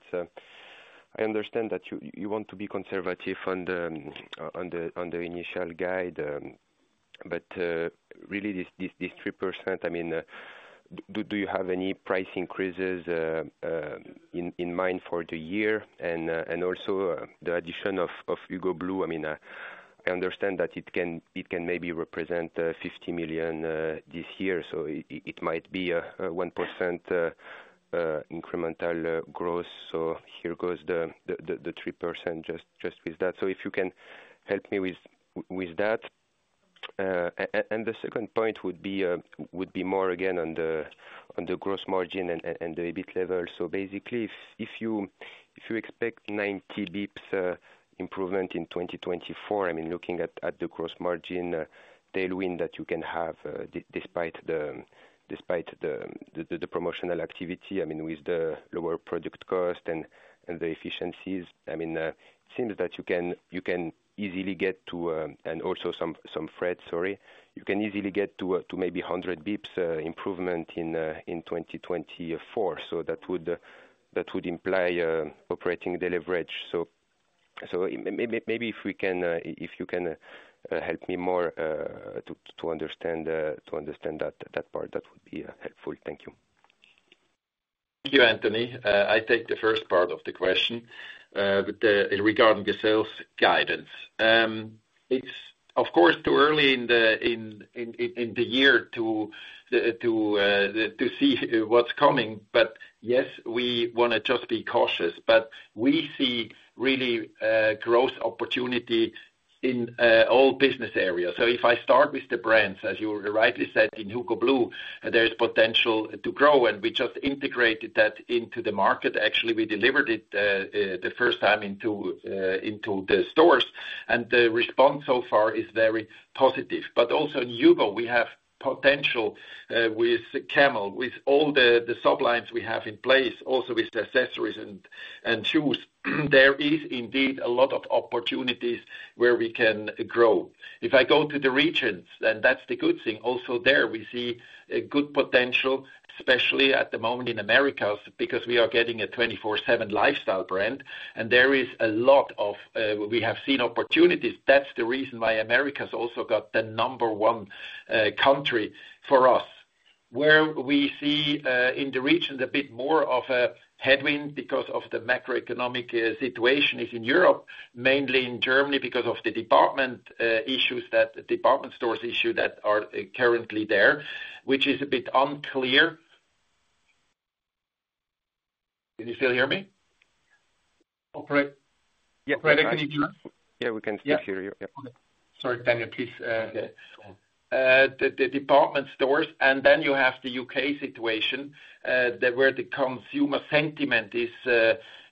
I understand that you want to be conservative on the initial guide, but really, this 3%, I mean, do you have any price increases in mind for the year? And also the addition of HUGO BLUE, I mean, I understand that it can maybe represent 50 million this year. So it might be a 1% incremental growth. So here goes the 3% just with that. So if you can help me with that. And the second point would be more, again, on the gross margin and the EBIT level. So basically, if you expect 90 basis points improvement in 2024, I mean, looking at the gross margin tailwind that you can have despite the promotional activity, I mean, with the lower product cost and the efficiencies, I mean, it seems that you can easily get to and also some freight, sorry, you can easily get to maybe 100 bps improvement in 2024. So that would imply operating the leverage. So maybe if you can help me more to understand that part, that would be helpful. Thank you. Thank you, Anthony. I take the first part of the question regarding the sales guidance. It's, of course, too early in the year to see what's coming. But yes, we want to just be cautious. But we see really growth opportunity in all business areas. So if I start with the brands, as you rightly said in HUGO Blue, there's potential to grow. And we just integrated that into the market. Actually, we delivered it the first time into the stores. And the response so far is very positive. But also in HUGO, we have potential with Camel, with all the sublines we have in place, also with accessories and shoes. There is indeed a lot of opportunities where we can grow. If I go to the regions, then that's the good thing. Also there, we see a good potential, especially at the moment in Americas because we are getting a 24/7 lifestyle brand. And there is a lot of we have seen opportunities. That's the reason why America's also got the number one country for us, where we see in the regions a bit more of a headwind because of the macroeconomic situation is in Europe, mainly in Germany because of the department issues that department stores issue that are currently there, which is a bit unclear. Can you still hear me? Yes, Can you hear us? Yeah, we can still hear you. Yeah. Okay. Sorry, Daniel, please. The department stores. And then you have the U.K. situation where the consumer sentiment is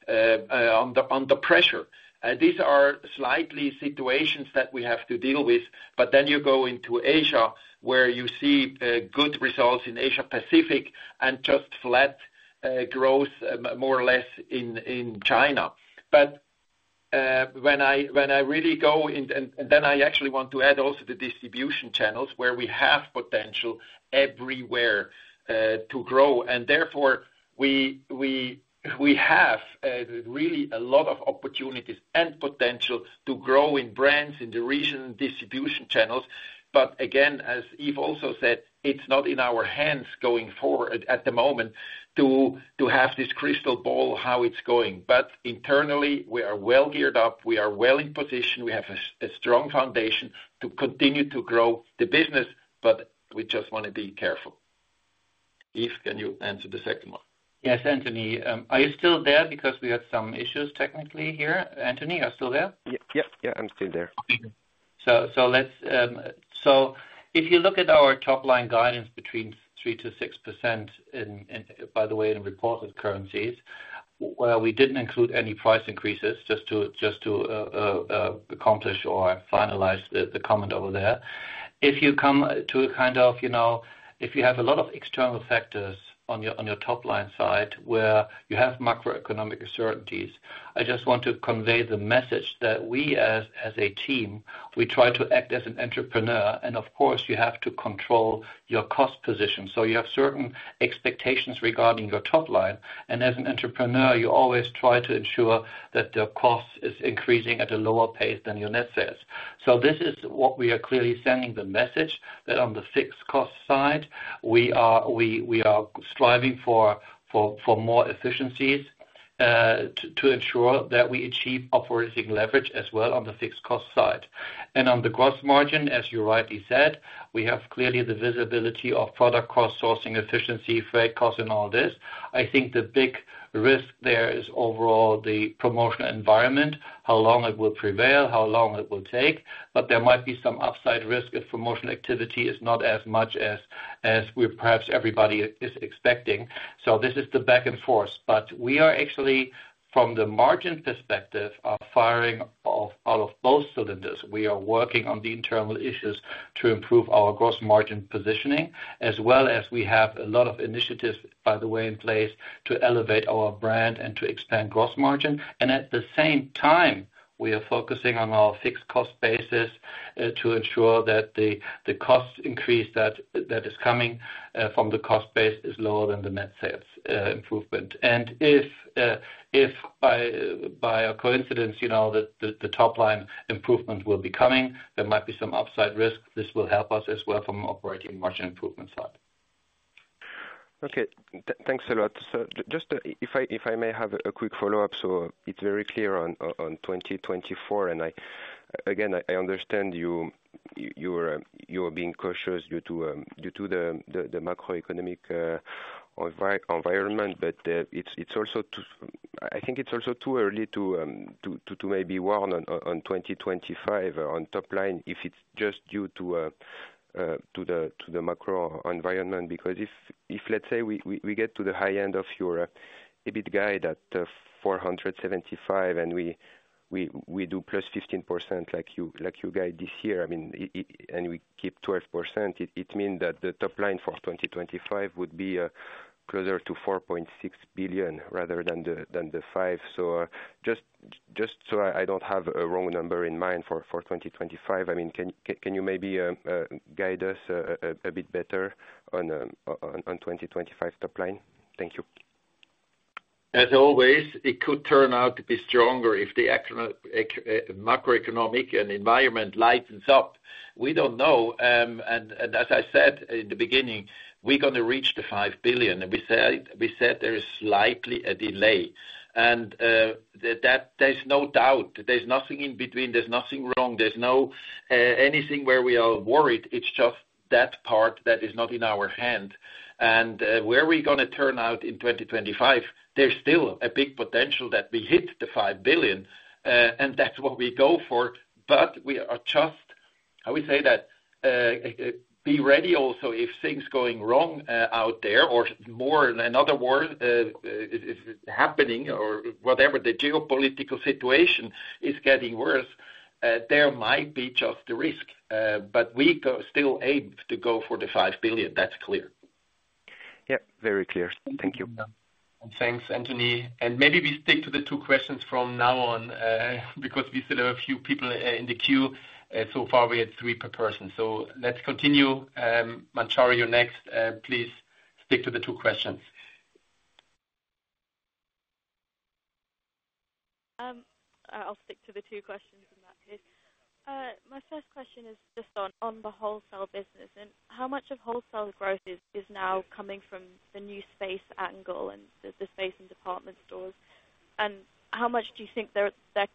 under pressure. These are slightly situations that we have to deal with. But then you go into Asia where you see good results in Asia-Pacific and just flat growth more or less in China. But when I really go and then I actually want to add also the distribution channels where we have potential everywhere to grow. And therefore, we have really a lot of opportunities and potential to grow in brands in the region, distribution channels. But again, as Yves also said, it's not in our hands going forward at the moment to have this crystal ball how it's going. But internally, we are well geared up. We are well in position. We have a strong foundation to continue to grow the business. But we just want to be careful. Yves, can you answer the second one? Yes, Anthony. Are you still there because we had some issues technically here? Anthony, are you still there? Yep. Yeah. I'm still there. So, if you look at our top line guidance between 3%-6%, by the way, in reported currencies, where we didn't include any price increases, just to accomplish or finalize the comment over there, if you come to a kind of if you have a lot of external factors on your top line side where you have macroeconomic uncertainties, I just want to convey the message that we, as a team, we try to act as an entrepreneur. And of course, you have to control your cost position. So you have certain expectations regarding your top line. And as an entrepreneur, you always try to ensure that the cost is increasing at a lower pace than your net sales. So this is what we are clearly sending the message that on the fixed cost side, we are striving for more efficiencies to ensure that we achieve operating leverage as well on the fixed cost side. And on the gross margin, as you rightly said, we have clearly the visibility of product cost, sourcing efficiency, freight cost, and all this. I think the big risk there is overall the promotional environment, how long it will prevail, how long it will take. But there might be some upside risk if promotional activity is not as much as perhaps everybody is expecting. So this is the back and forth. But we are actually, from the margin perspective, firing out of both cylinders. We are working on the internal issues to improve our gross margin positioning, as well as we have a lot of initiatives, by the way, in place to elevate our brand and to expand gross margin. And at the same time, we are focusing on our fixed cost basis to ensure that the cost increase that is coming from the cost base is lower than the net sales improvement. And if by a coincidence, the top line improvement will be coming, there might be some upside risk. This will help us as well from an operating margin improvement side. Okay. Thanks a lot. So just if I may have a quick follow-up. So it's very clear on 2024. And again, I understand you are being cautious due to the macroeconomic environment. But I think it's also too early to maybe warn on 2025 on top line if it's just due to the macro environment. Because if, let's say, we get to the high end of your EBIT guide at 475 and we do +15% like you guide this year, I mean, and we keep 12%, it means that the top line for 2025 would be closer to 4.6 billion rather than the 5 billion. So just so I don't have a wrong number in mind for 2025, I mean, can you maybe guide us a bit better on 2025 top line? Thank you. As always, it could turn out to be stronger if the macroeconomic environment lightens up. We don't know. And as I said in the beginning, we're going to reach the 5 billion. And we said there is slightly a delay. And there's no doubt. There's nothing in between. There's nothing wrong. There's anything where we are worried. It's just that part that is not in our hand. And where we're going to turn out in 2025, there's still a big potential that we hit the 5 billion. And that's what we go for. But we are just, how we say that, be ready also if things going wrong out there or more in another war happening or whatever, the geopolitical situation is getting worse, there might be just the risk. But we still aim to go for the 5 billion. That's clear. Yep. Very clear. Thank you. And thanks, Anthony. And maybe we stick to the two questions from now on because we still have a few people in the queue. So far, we had three per person. So let's continue. Manjari, you're next. Please stick to the two questions. I'll stick to the two questions in that case. My first question is just on the wholesale business. And how much of wholesale growth is now coming from the new space angle and the space in department stores? And how much do you think there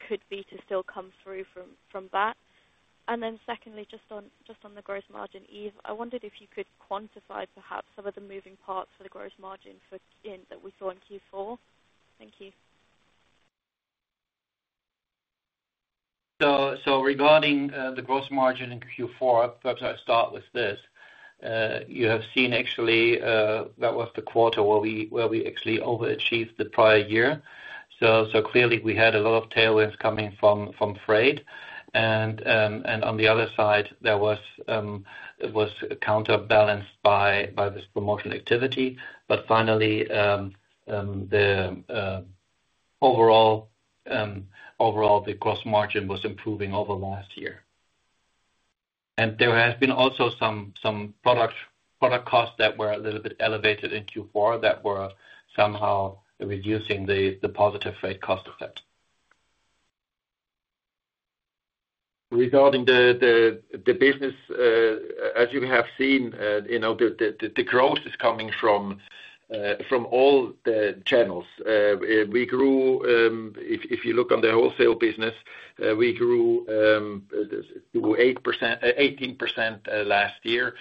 could be to still come through from that? And then secondly, just on the gross margin, Yves, I wondered if you could quantify perhaps some of the moving parts for the gross margin that we saw in Q4. Thank you. So regarding the gross margin in Q4, perhaps I'll start with this. You have seen actually that was the quarter where we actually overachieved the prior year. So clearly, we had a lot of tailwinds coming from freight. And on the other side, it was counterbalanced by this promotional activity. But finally, the overall gross margin was improving over last year. There has been also some product costs that were a little bit elevated in Q4 that were somehow reducing the positive freight cost effect. Regarding the business, as you have seen, the growth is coming from all the channels. If you look on the wholesale business, we grew to 18% last year.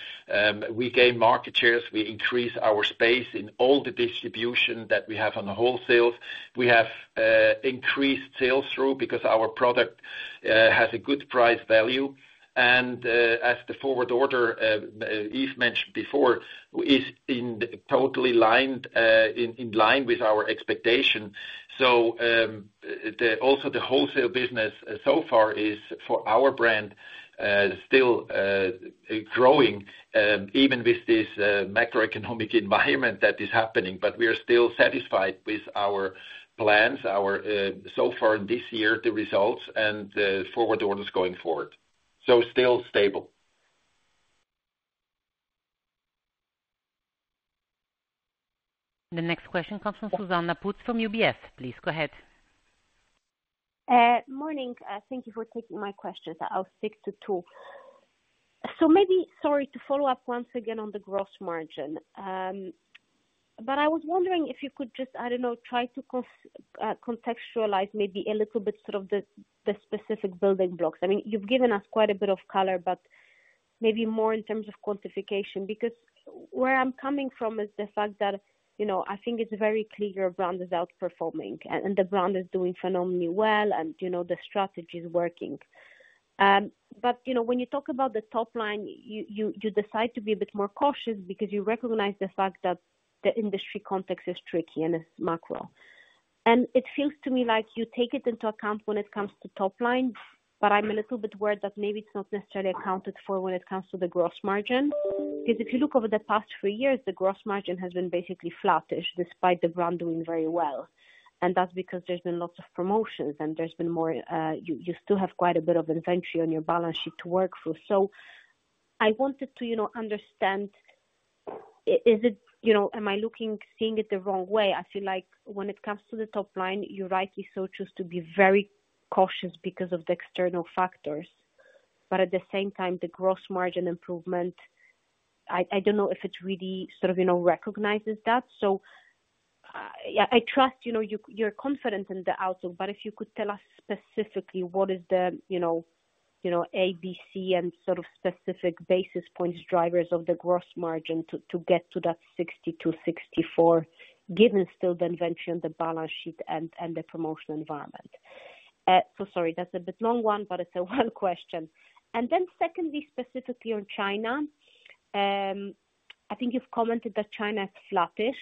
We gained market shares. We increased our space in all the distribution that we have on the wholesale. We have increased sell-through because our product has a good price value. And as the forward order, Yves mentioned before, is totally in line with our expectation. So also the wholesale business so far is, for our brand, still growing even with this macroeconomic environment that is happening. But we are still satisfied with our plans, so far in this year, the results and forward orders going forward. So still stable. The next question comes from Zuzanna Pusz from UBS. Please go ahead. Morning. Thank you for taking my questions. I'll stick to two. So maybe, sorry, to follow up once again on the gross margin. But I was wondering if you could just, I don't know, try to contextualize maybe a little bit sort of the specific building blocks. I mean, you've given us quite a bit of color, but maybe more in terms of quantification because where I'm coming from is the fact that I think it's very clear your brand is outperforming and the brand is doing phenomenally well and the strategy is working. But when you talk about the top line, you decide to be a bit more cautious because you recognize the fact that the industry context is tricky and it's macro. It feels to me like you take it into account when it comes to top line, but I'm a little bit worried that maybe it's not necessarily accounted for when it comes to the gross margin because if you look over the past three years, the gross margin has been basically flattish despite the brand doing very well. That's because there's been lots of promotions and there's been more you still have quite a bit of inventory on your balance sheet to work through. I wanted to understand, am I seeing it the wrong way? I feel like when it comes to the top line, you rightly so choose to be very cautious because of the external factors. At the same time, the gross margin improvement, I don't know if it really sort of recognizes that. I trust you're confident in the outlook. But if you could tell us specifically what is the A, B, C, and sort of specific basis points, drivers of the gross margin to get to that 60%-64% given still the inventory on the balance sheet and the promotional environment? So sorry, that's a bit long one, but it's one question. Then secondly, specifically on China, I think you've commented that China is flattish.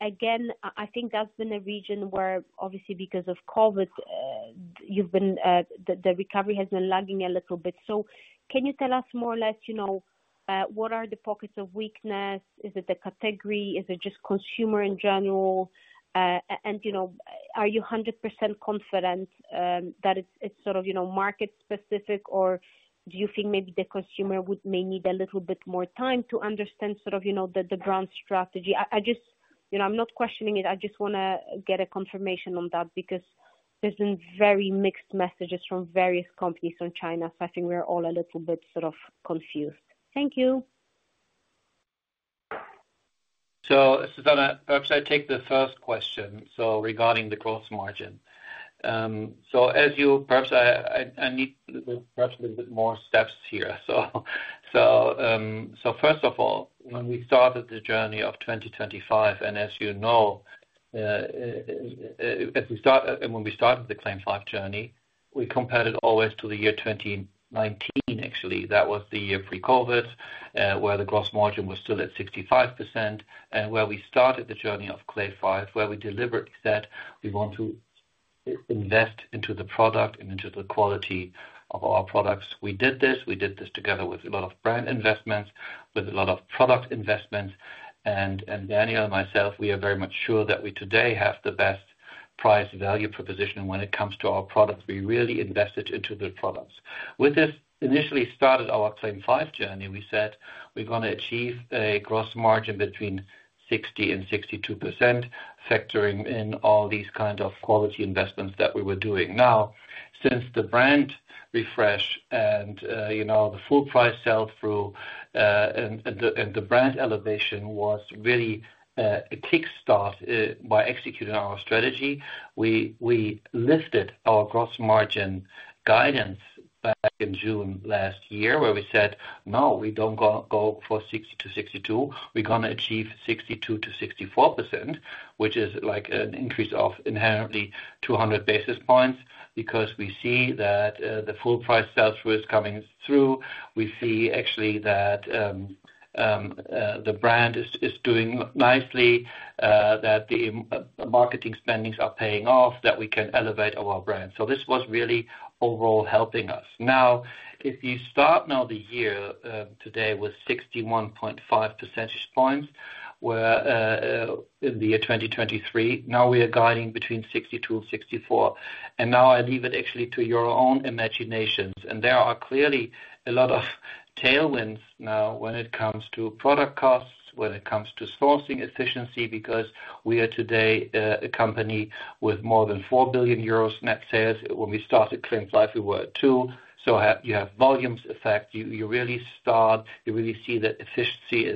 Again, I think that's been a region where, obviously, because of COVID, the recovery has been lagging a little bit. So can you tell us more or less what are the pockets of weakness? Is it the category? Is it just consumer in general? And are you 100% confident that it's sort of market-specific, or do you think maybe the consumer may need a little bit more time to understand sort of the brand strategy? I'm not questioning it. I just want to get a confirmation on that because there's been very mixed messages from various companies on China. I think we're all a little bit sort of confused. Thank you. Zuzanna, perhaps I take the first question. Regarding the gross margin. As you perhaps I need perhaps a little bit more steps here. First of all, when we started the journey of 2025, and as you know, when we started the Claim 5 journey, we compared it always to the year 2019, actually. That was the year pre-COVID where the gross margin was still at 65%. Where we started the journey of Claim 5, where we deliberately said, "We want to invest into the product and into the quality of our products." We did this. We did this together with a lot of brand investments, with a lot of product investments. Daniel and myself, we are very much sure that we today have the best price-value proposition when it comes to our products. We really invested into the products. With this initially started our Claim 5 journey, we said, "We're going to achieve a gross margin between 60% and 62% factoring in all these kinds of quality investments that we were doing." Now, since the brand refresh and the full price sell-through and the brand elevation was really a kickstart by executing our strategy, we lifted our gross margin guidance back in June last year where we said, "No, we don't go for 60%-62%. We're going to achieve 62%-64%," which is an increase of inherently 200 basis points because we see that the full price sell-through is coming through. We see actually that the brand is doing nicely, that the marketing spending is paying off, that we can elevate our brand. So this was really overall helping us. Now, if you start now the year today with 61.5 percentage points in the year 2023, now we are guiding between 62-64. And now I leave it actually to your own imaginations. And there are clearly a lot of tailwinds now when it comes to product costs, when it comes to sourcing efficiency because we are today a company with more than 4 billion euros net sales. When we started Claim 5, we were at two. So you have volumes effect. You really start, you really see that efficiency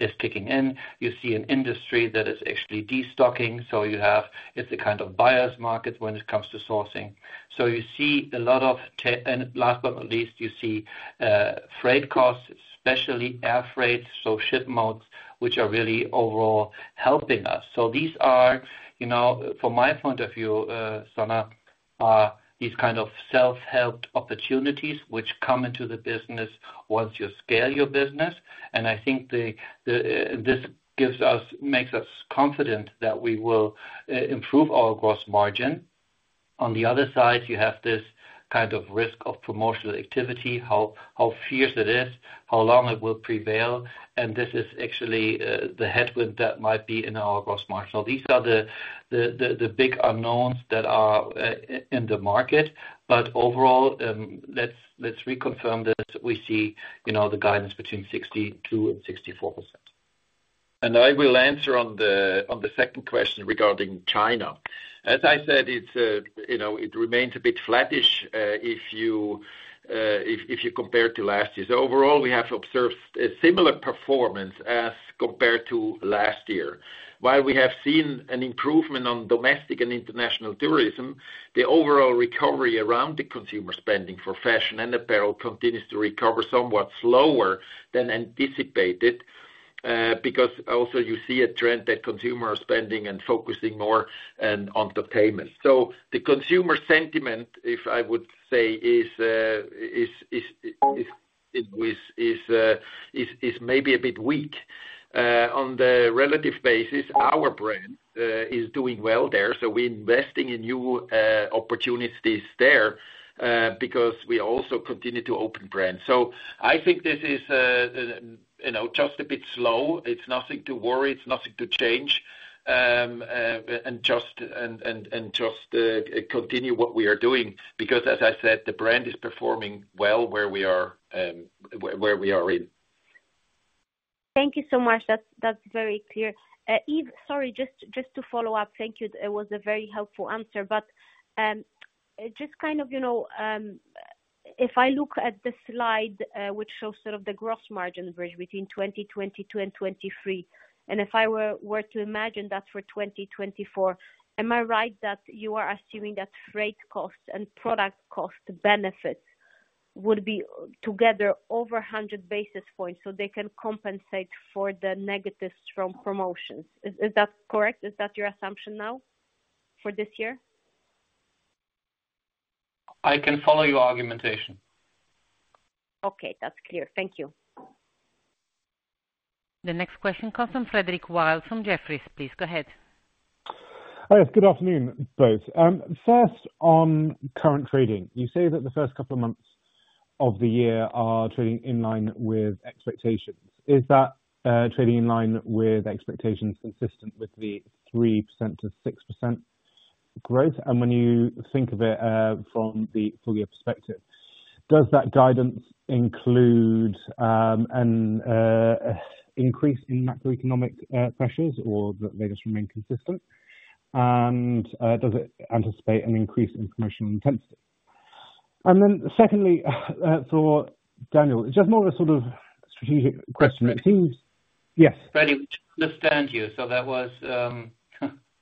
is kicking in. You see an industry that is actually destocking. So it's a kind of buyer's market when it comes to sourcing. So you see a lot of, and last but not least, you see freight costs, especially air freight, so ship modes, which are really overall helping us. So these are, from my point of view, Zuzanna, these kind of self-helped opportunities which come into the business once you scale your business. And I think this makes us confident that we will improve our gross margin. On the other side, you have this kind of risk of promotional activity, how fierce it is, how long it will prevail. And this is actually the headwind that might be in our gross margin. So these are the big unknowns that are in the market. But overall, let's reconfirm that we see the guidance between 62% and 64%. And I will answer on the second question regarding China. As I said, it remains a bit flattish if you compare to last year. So overall, we have observed a similar performance as compared to last year. While we have seen an improvement on domestic and international tourism, the overall recovery around the consumer spending for fashion and apparel continues to recover somewhat slower than anticipated because also you see a trend that consumers are spending and focusing more on entertainment. So the consumer sentiment, if I would say, is maybe a bit weak. On the relative basis, our brand is doing well there. So we're investing in new opportunities there because we also continue to open brands. So I think this is just a bit slow. It's nothing to worry. It's nothing to change. And just continue what we are doing because, as I said, the brand is performing well where we are in. Thank you so much. That's very clear. Yves, sorry, just to follow up. Thank you. It was a very helpful answer. But just kind of if I look at the slide which shows sort of the gross margin bridge between 2022 and 2023, and if I were to imagine that for 2024, am I right that you are assuming that freight costs and product cost benefits would be together over 100 basis points so they can compensate for the negatives from promotions? Is that correct? Is that your assumption now for this year? I can follow your argumentation. Okay. That's clear. Thank you. The next question comes from Frederick Wild from Jefferies. Please go ahead. Yes. Good afternoon, both. First, on current trading, you say that the first couple of months of the year are trading in line with expectations. Is that trading in line with expectations consistent with the 3%-6% growth? When you think of it from the full-year perspective, does that guidance include an increase in macroeconomic pressures or that they just remain consistent? And does it anticipate an increase in promotional intensity? And then secondly, for Daniel, it's just more of a sort of strategic question. Yes. Freddy, we just don't understand you. So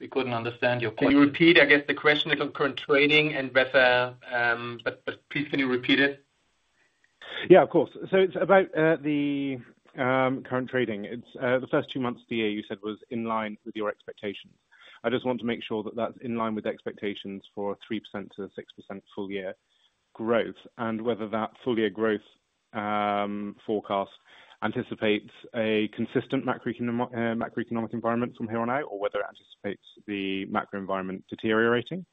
we couldn't understand your point. Can you repeat, I guess, the question on current trading and whether, but please, can you repeat it? Yeah, of course. So it's about the current trading. The first two months of the year, you said, was in line with your expectations. I just want to make sure that that's in line with expectations for 3%-6% full-year growth and whether that full-year growth forecast anticipates a consistent macroeconomic environment from here on out or whether it anticipates the macro environment deteriorating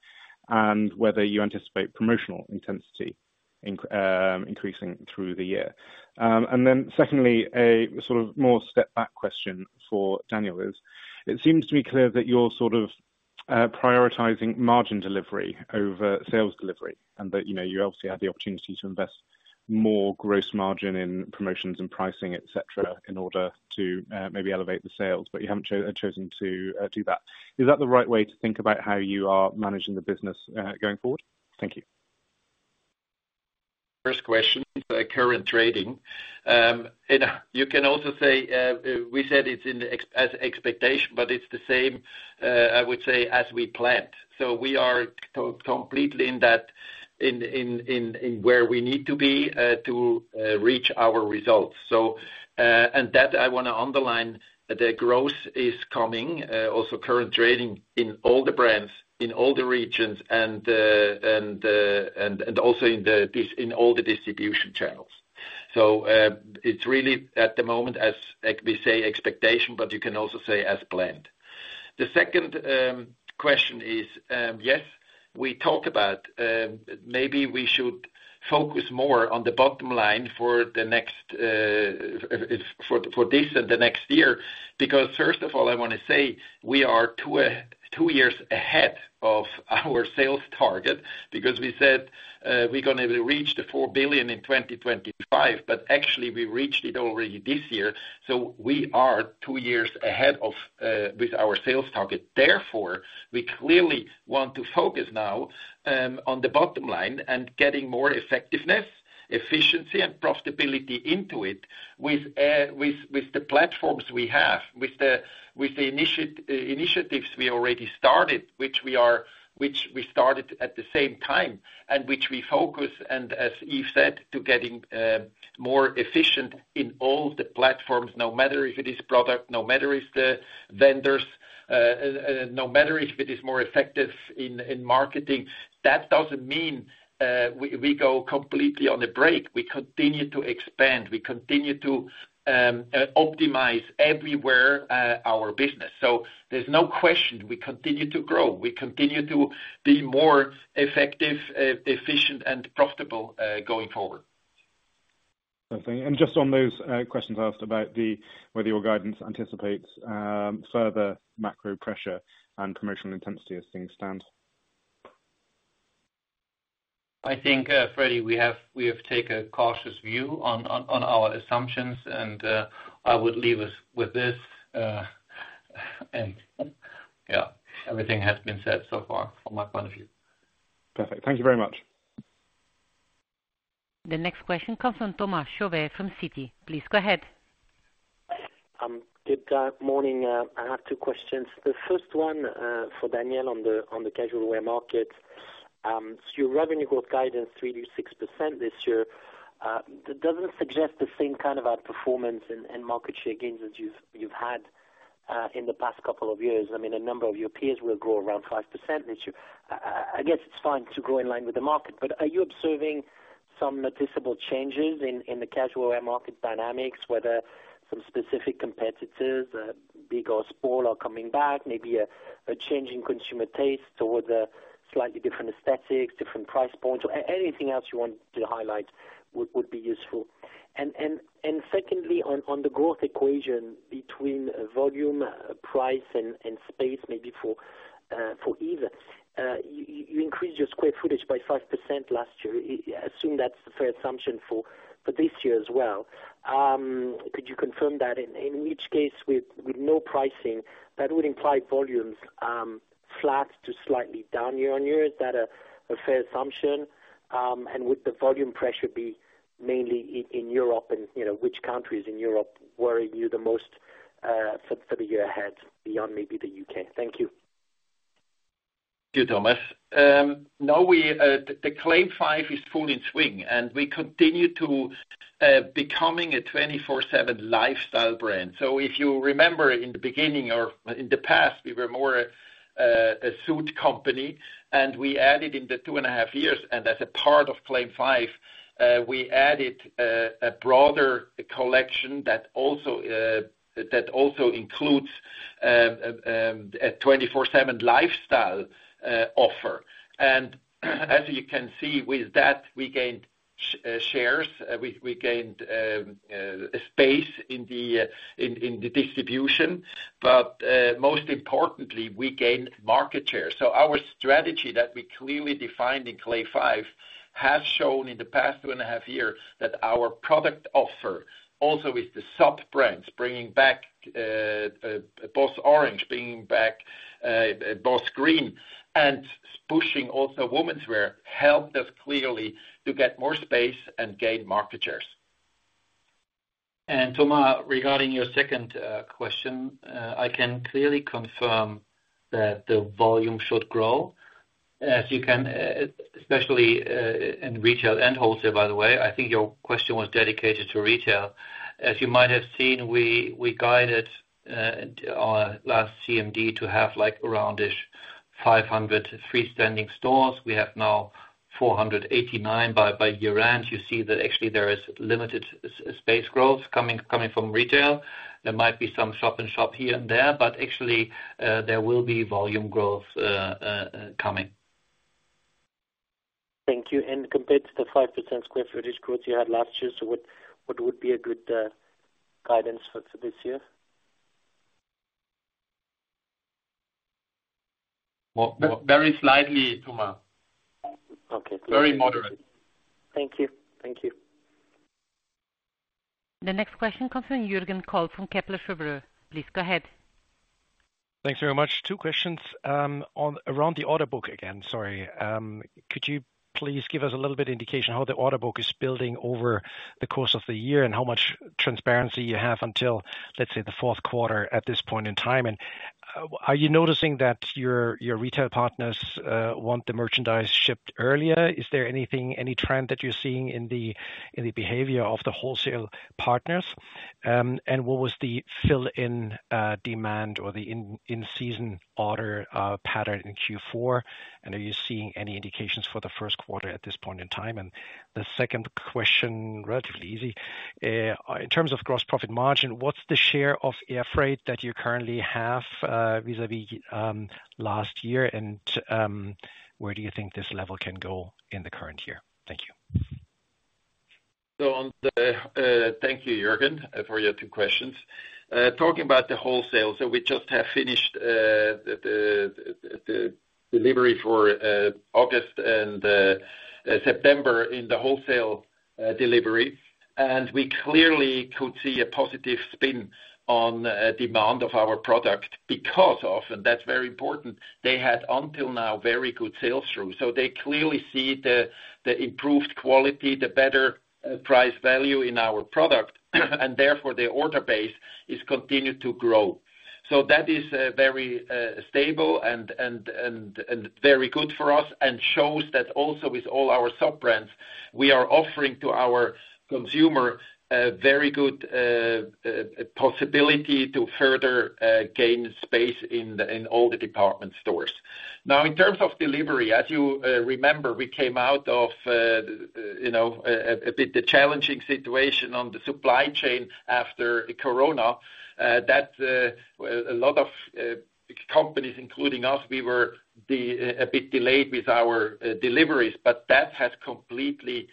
and whether you anticipate promotional intensity increasing through the year. And then secondly, a sort of more step-back question for Daniel is, it seems to me clear that you're sort of prioritizing margin delivery over sales delivery and that you obviously have the opportunity to invest more gross margin in promotions and pricing, etc., in order to maybe elevate the sales, but you haven't chosen to do that. Is that the right way to think about how you are managing the business going forward? Thank you. First question, current trading. You can also say we said it's as expected, but it's the same, I would say, as we planned. So we are completely in where we need to be to reach our results. And that, I want to underline, the growth is coming, also current trading in all the brands, in all the regions, and also in all the distribution channels. So it's really at the moment, as we say, expectation, but you can also say as planned. The second question is, yes, we talk about maybe we should focus more on the bottom line for this and the next year because first of all, I want to say we are two years ahead of our sales target because we said we're going to reach 4 billion in 2025, but actually, we reached it already this year. So we are two years ahead with our sales target. Therefore, we clearly want to focus now on the bottom line and getting more effectiveness, efficiency, and profitability into it with the platforms we have, with the initiatives we already started, which we started at the same time and which we focus, and as Yves said, to getting more efficient in all the platforms, no matter if it is product, no matter if it's the vendors, no matter if it is more effective in marketing. That doesn't mean we go completely on a break. We continue to expand. We continue to optimize everywhere our business. So there's no question. We continue to grow. We continue to be more effective, efficient, and profitable going forward. And just on those questions asked about whether your guidance anticipates further macro pressure and promotional intensity as things stand. I think, Freddy, we have taken a cautious view on our assumptions. I would leave us with this. Yeah, everything has been said so far from my point of view. Perfect. Thank you very much. The next question comes from Thomas Chauvet from Citi. Please go ahead. Good morning. I have two questions. The first one for Daniel on the casual wear market. So your revenue growth guidance, 3%-6% this year, doesn't suggest the same kind of outperformance and market share gains as you've had in the past couple of years. I mean, a number of your peers will grow around 5% this year. I guess it's fine to grow in line with the market. But are you observing some noticeable changes in the casual wear market dynamics, whether some specific competitors, big or small, are coming back, maybe a change in consumer taste towards slightly different aesthetics, different price points? Anything else you want to highlight would be useful. And secondly, on the growth equation between volume, price, and space, maybe for Yves, you increased your square footage by 5% last year. Assume that's the fair assumption for this year as well. Could you confirm that? In which case, with no pricing, that would imply volumes flat to slightly down year-on-year? Is that a fair assumption? And would the volume pressure be mainly in Europe and which countries in Europe worry you the most for the year ahead beyond maybe the U.K.? Thank you. Thank you, Thomas. Now, the Claim 5 is in full swing, and we continue to become a 24/7 lifestyle brand. So if you remember in the beginning or in the past, we were more a suit company, and we added in the two and a half years, and as a part of Claim 5, we added a broader collection that also includes a 24/7 lifestyle offer. And as you can see, with that, we gained shares. We gained space in the distribution. But most importantly, we gained market share. So our strategy that we clearly defined in Claim 5 has shown in the past two and a half years that our product offer, also with the sub-brands bringing back BOSS Orange, bringing back BOSS Green, and pushing also womenswear, helped us clearly to get more space and gain market shares. And Thomas, regarding your second question, I can clearly confirm that the volume should grow. Especially in retail and wholesale, by the way. I think your question was dedicated to retail. As you might have seen, we guided our last CMD to have around-ish 500 freestanding stores. We have now 489 by year-end. You see that actually, there is limited space growth coming from retail. There might be some shop-in-shop here and there, but actually, there will be volume growth coming. Thank you. And compared to the 5% square footage growth you had last year, so what would be a good guidance for this year? Very slightly, Thomas. Very moderate. Thank you. Thank you. The next question comes from Jürgen Kolb from Kepler Cheuvreux. Please go ahead. Thanks very much. Two questions around the order book again. Sorry. Could you please give us a little bit of indication how the order book is building over the course of the year and how much transparency you have until, let's say, the fourth quarter at this point in time? And are you noticing that your retail partners want the merchandise shipped earlier? Is there any trend that you're seeing in the behavior of the wholesale partners? And what was the fill-in demand or the in-season order pattern in Q4? And are you seeing any indications for the first quarter at this point in time? And the second question, relatively easy. In terms of gross profit margin, what's the share of air freight that you currently have vis-à-vis last year, and where do you think this level can go in the current year? Thank you. So thank you, Jürgen, for your two questions. Talking about the wholesale, so we just have finished the delivery for August and September in the wholesale delivery. We clearly could see a positive spin on demand of our product because of, and that's very important, they had until now very good sell-through. So they clearly see the improved quality, the better price value in our product, and therefore, the order base has continued to grow. So that is very stable and very good for us and shows that also with all our sub-brands, we are offering to our consumer a very good possibility to further gain space in all the department stores. Now, in terms of delivery, as you remember, we came out of a bit of a challenging situation on the supply chain after corona. A lot of companies, including us, we were a bit delayed with our deliveries, but that has completely changed.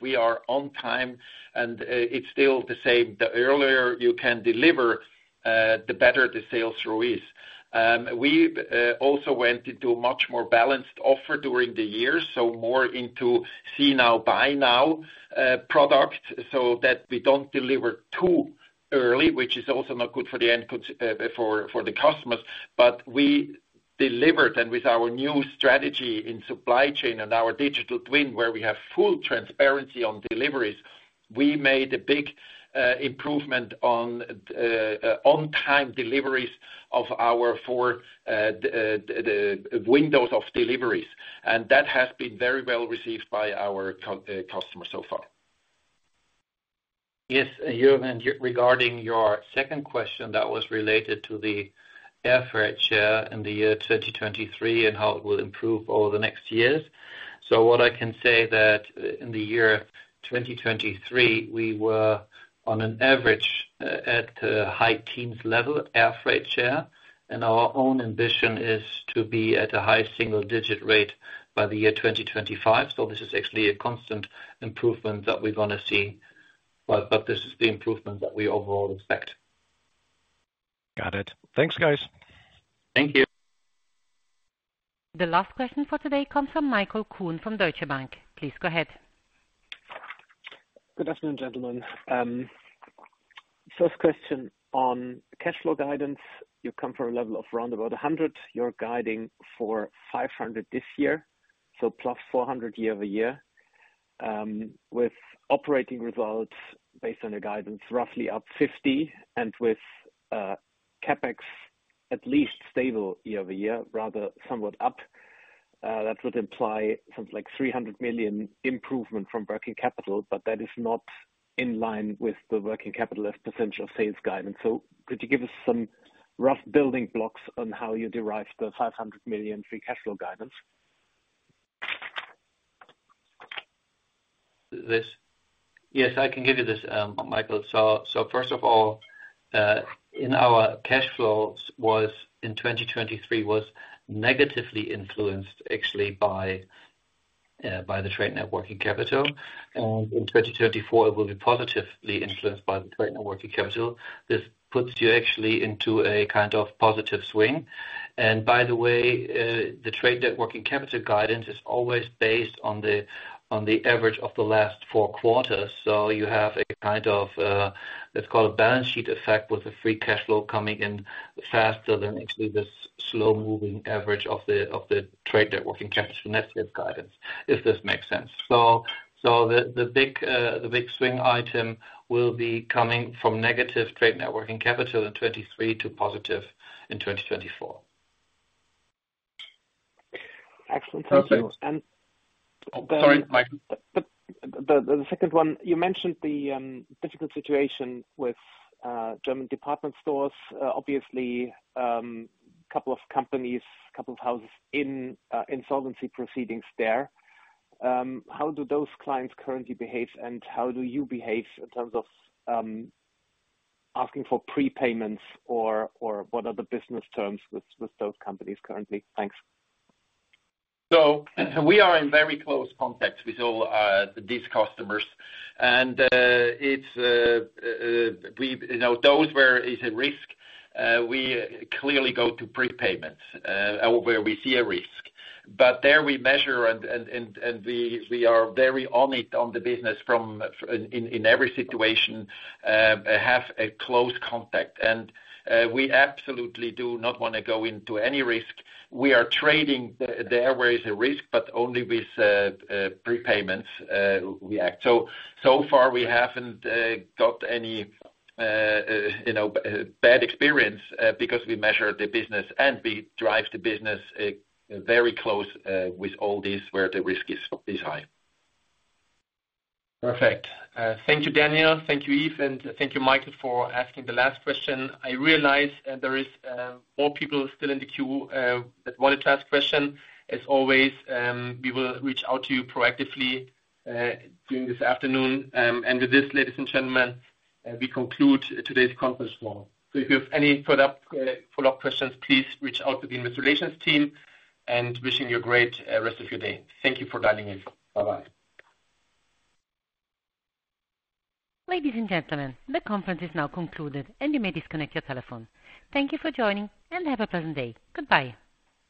We are on time, and it's still the same. The earlier you can deliver, the better the sell-through is. We also went into a much more balanced offer during the year, so more into see-now, buy-now products so that we don't deliver too early, which is also not good for the end for the customers. But we delivered, and with our new strategy in supply chain and our digital twin where we have full transparency on deliveries, we made a big improvement on time deliveries of our four windows of deliveries. And that has been very well received by our customers so far. Yes, Jürgen, regarding your second question that was related to the air freight share in the year 2023 and how it will improve over the next years. So what I can say is that in the year 2023, we were on an average at the high teens level air freight share. And our own ambition is to be at a high single-digit rate by the year 2025. So this is actually a constant improvement that we're going to see, but this is the improvement that we overall expect. Got it. Thanks, guys. Thank you. The last question for today comes from Michael Kuhn from Deutsche Bank. Please go ahead. Good afternoon, gentlemen. First question on cash flow guidance. You come from a level of round about 100. You're guiding for 500 this year, so +400 year-over-year, with operating results based on your guidance roughly up 50 and with CapEx at least stable year-over-year, rather somewhat up. That would imply something like 300 million improvement from working capital, but that is not in line with the working capital as percentage of sales guidance. So could you give us some rough building blocks on how you derived the 500 million free cash flow guidance? Yes, I can give you this, Michael. So first of all, in our cash flows, in 2023, it was negatively influenced, actually, by the trade net working capital. And in 2024, it will be positively influenced by the trade net working capital. This puts you actually into a kind of positive swing. And by the way, the trade net working capital guidance is always based on the average of the last four quarters. So you have a kind of, let's call it, balance sheet effect with the free cash flow coming in faster than actually this slow-moving average of the trade net working capital net sales guidance, if this makes sense. So the big swing item will be coming from negative trade net working capital in 2023 to positive in 2024. Excellent. Thank you. Sorry, Michael. The second one, you mentioned the difficult situation with German department stores, obviously, a couple of companies, a couple of houses in insolvency proceedings there. How do those clients currently behave, and how do you behave in terms of asking for prepayments, or what are the business terms with those companies currently? Thanks. So we are in very close contact with all these customers. And those where it's a risk, we clearly go to prepayments where we see a risk. But there we measure, and we are very on it on the business in every situation, have a close contact. And we absolutely do not want to go into any risk. We are trading there where it's a risk, but only with prepayments we act. So far, we haven't got any bad experience because we measure the business, and we drive the business very close with all these where the risk is high. Perfect. Thank you, Daniel. Thank you, Yves. And thank you, Michael, for asking the last question. I realize there are more people still in the queue that wanted to ask a question. As always, we will reach out to you proactively during this afternoon. And with this, ladies and gentlemen, we conclude today's conference call. So if you have any follow-up questions, please reach out to the Investor Relations team. Wishing you a great rest of your day. Thank you for dialing in. Bye-bye. Ladies and gentlemen, the conference is now concluded, and you may disconnect your telephone. Thank you for joining, and have a pleasant day. Goodbye.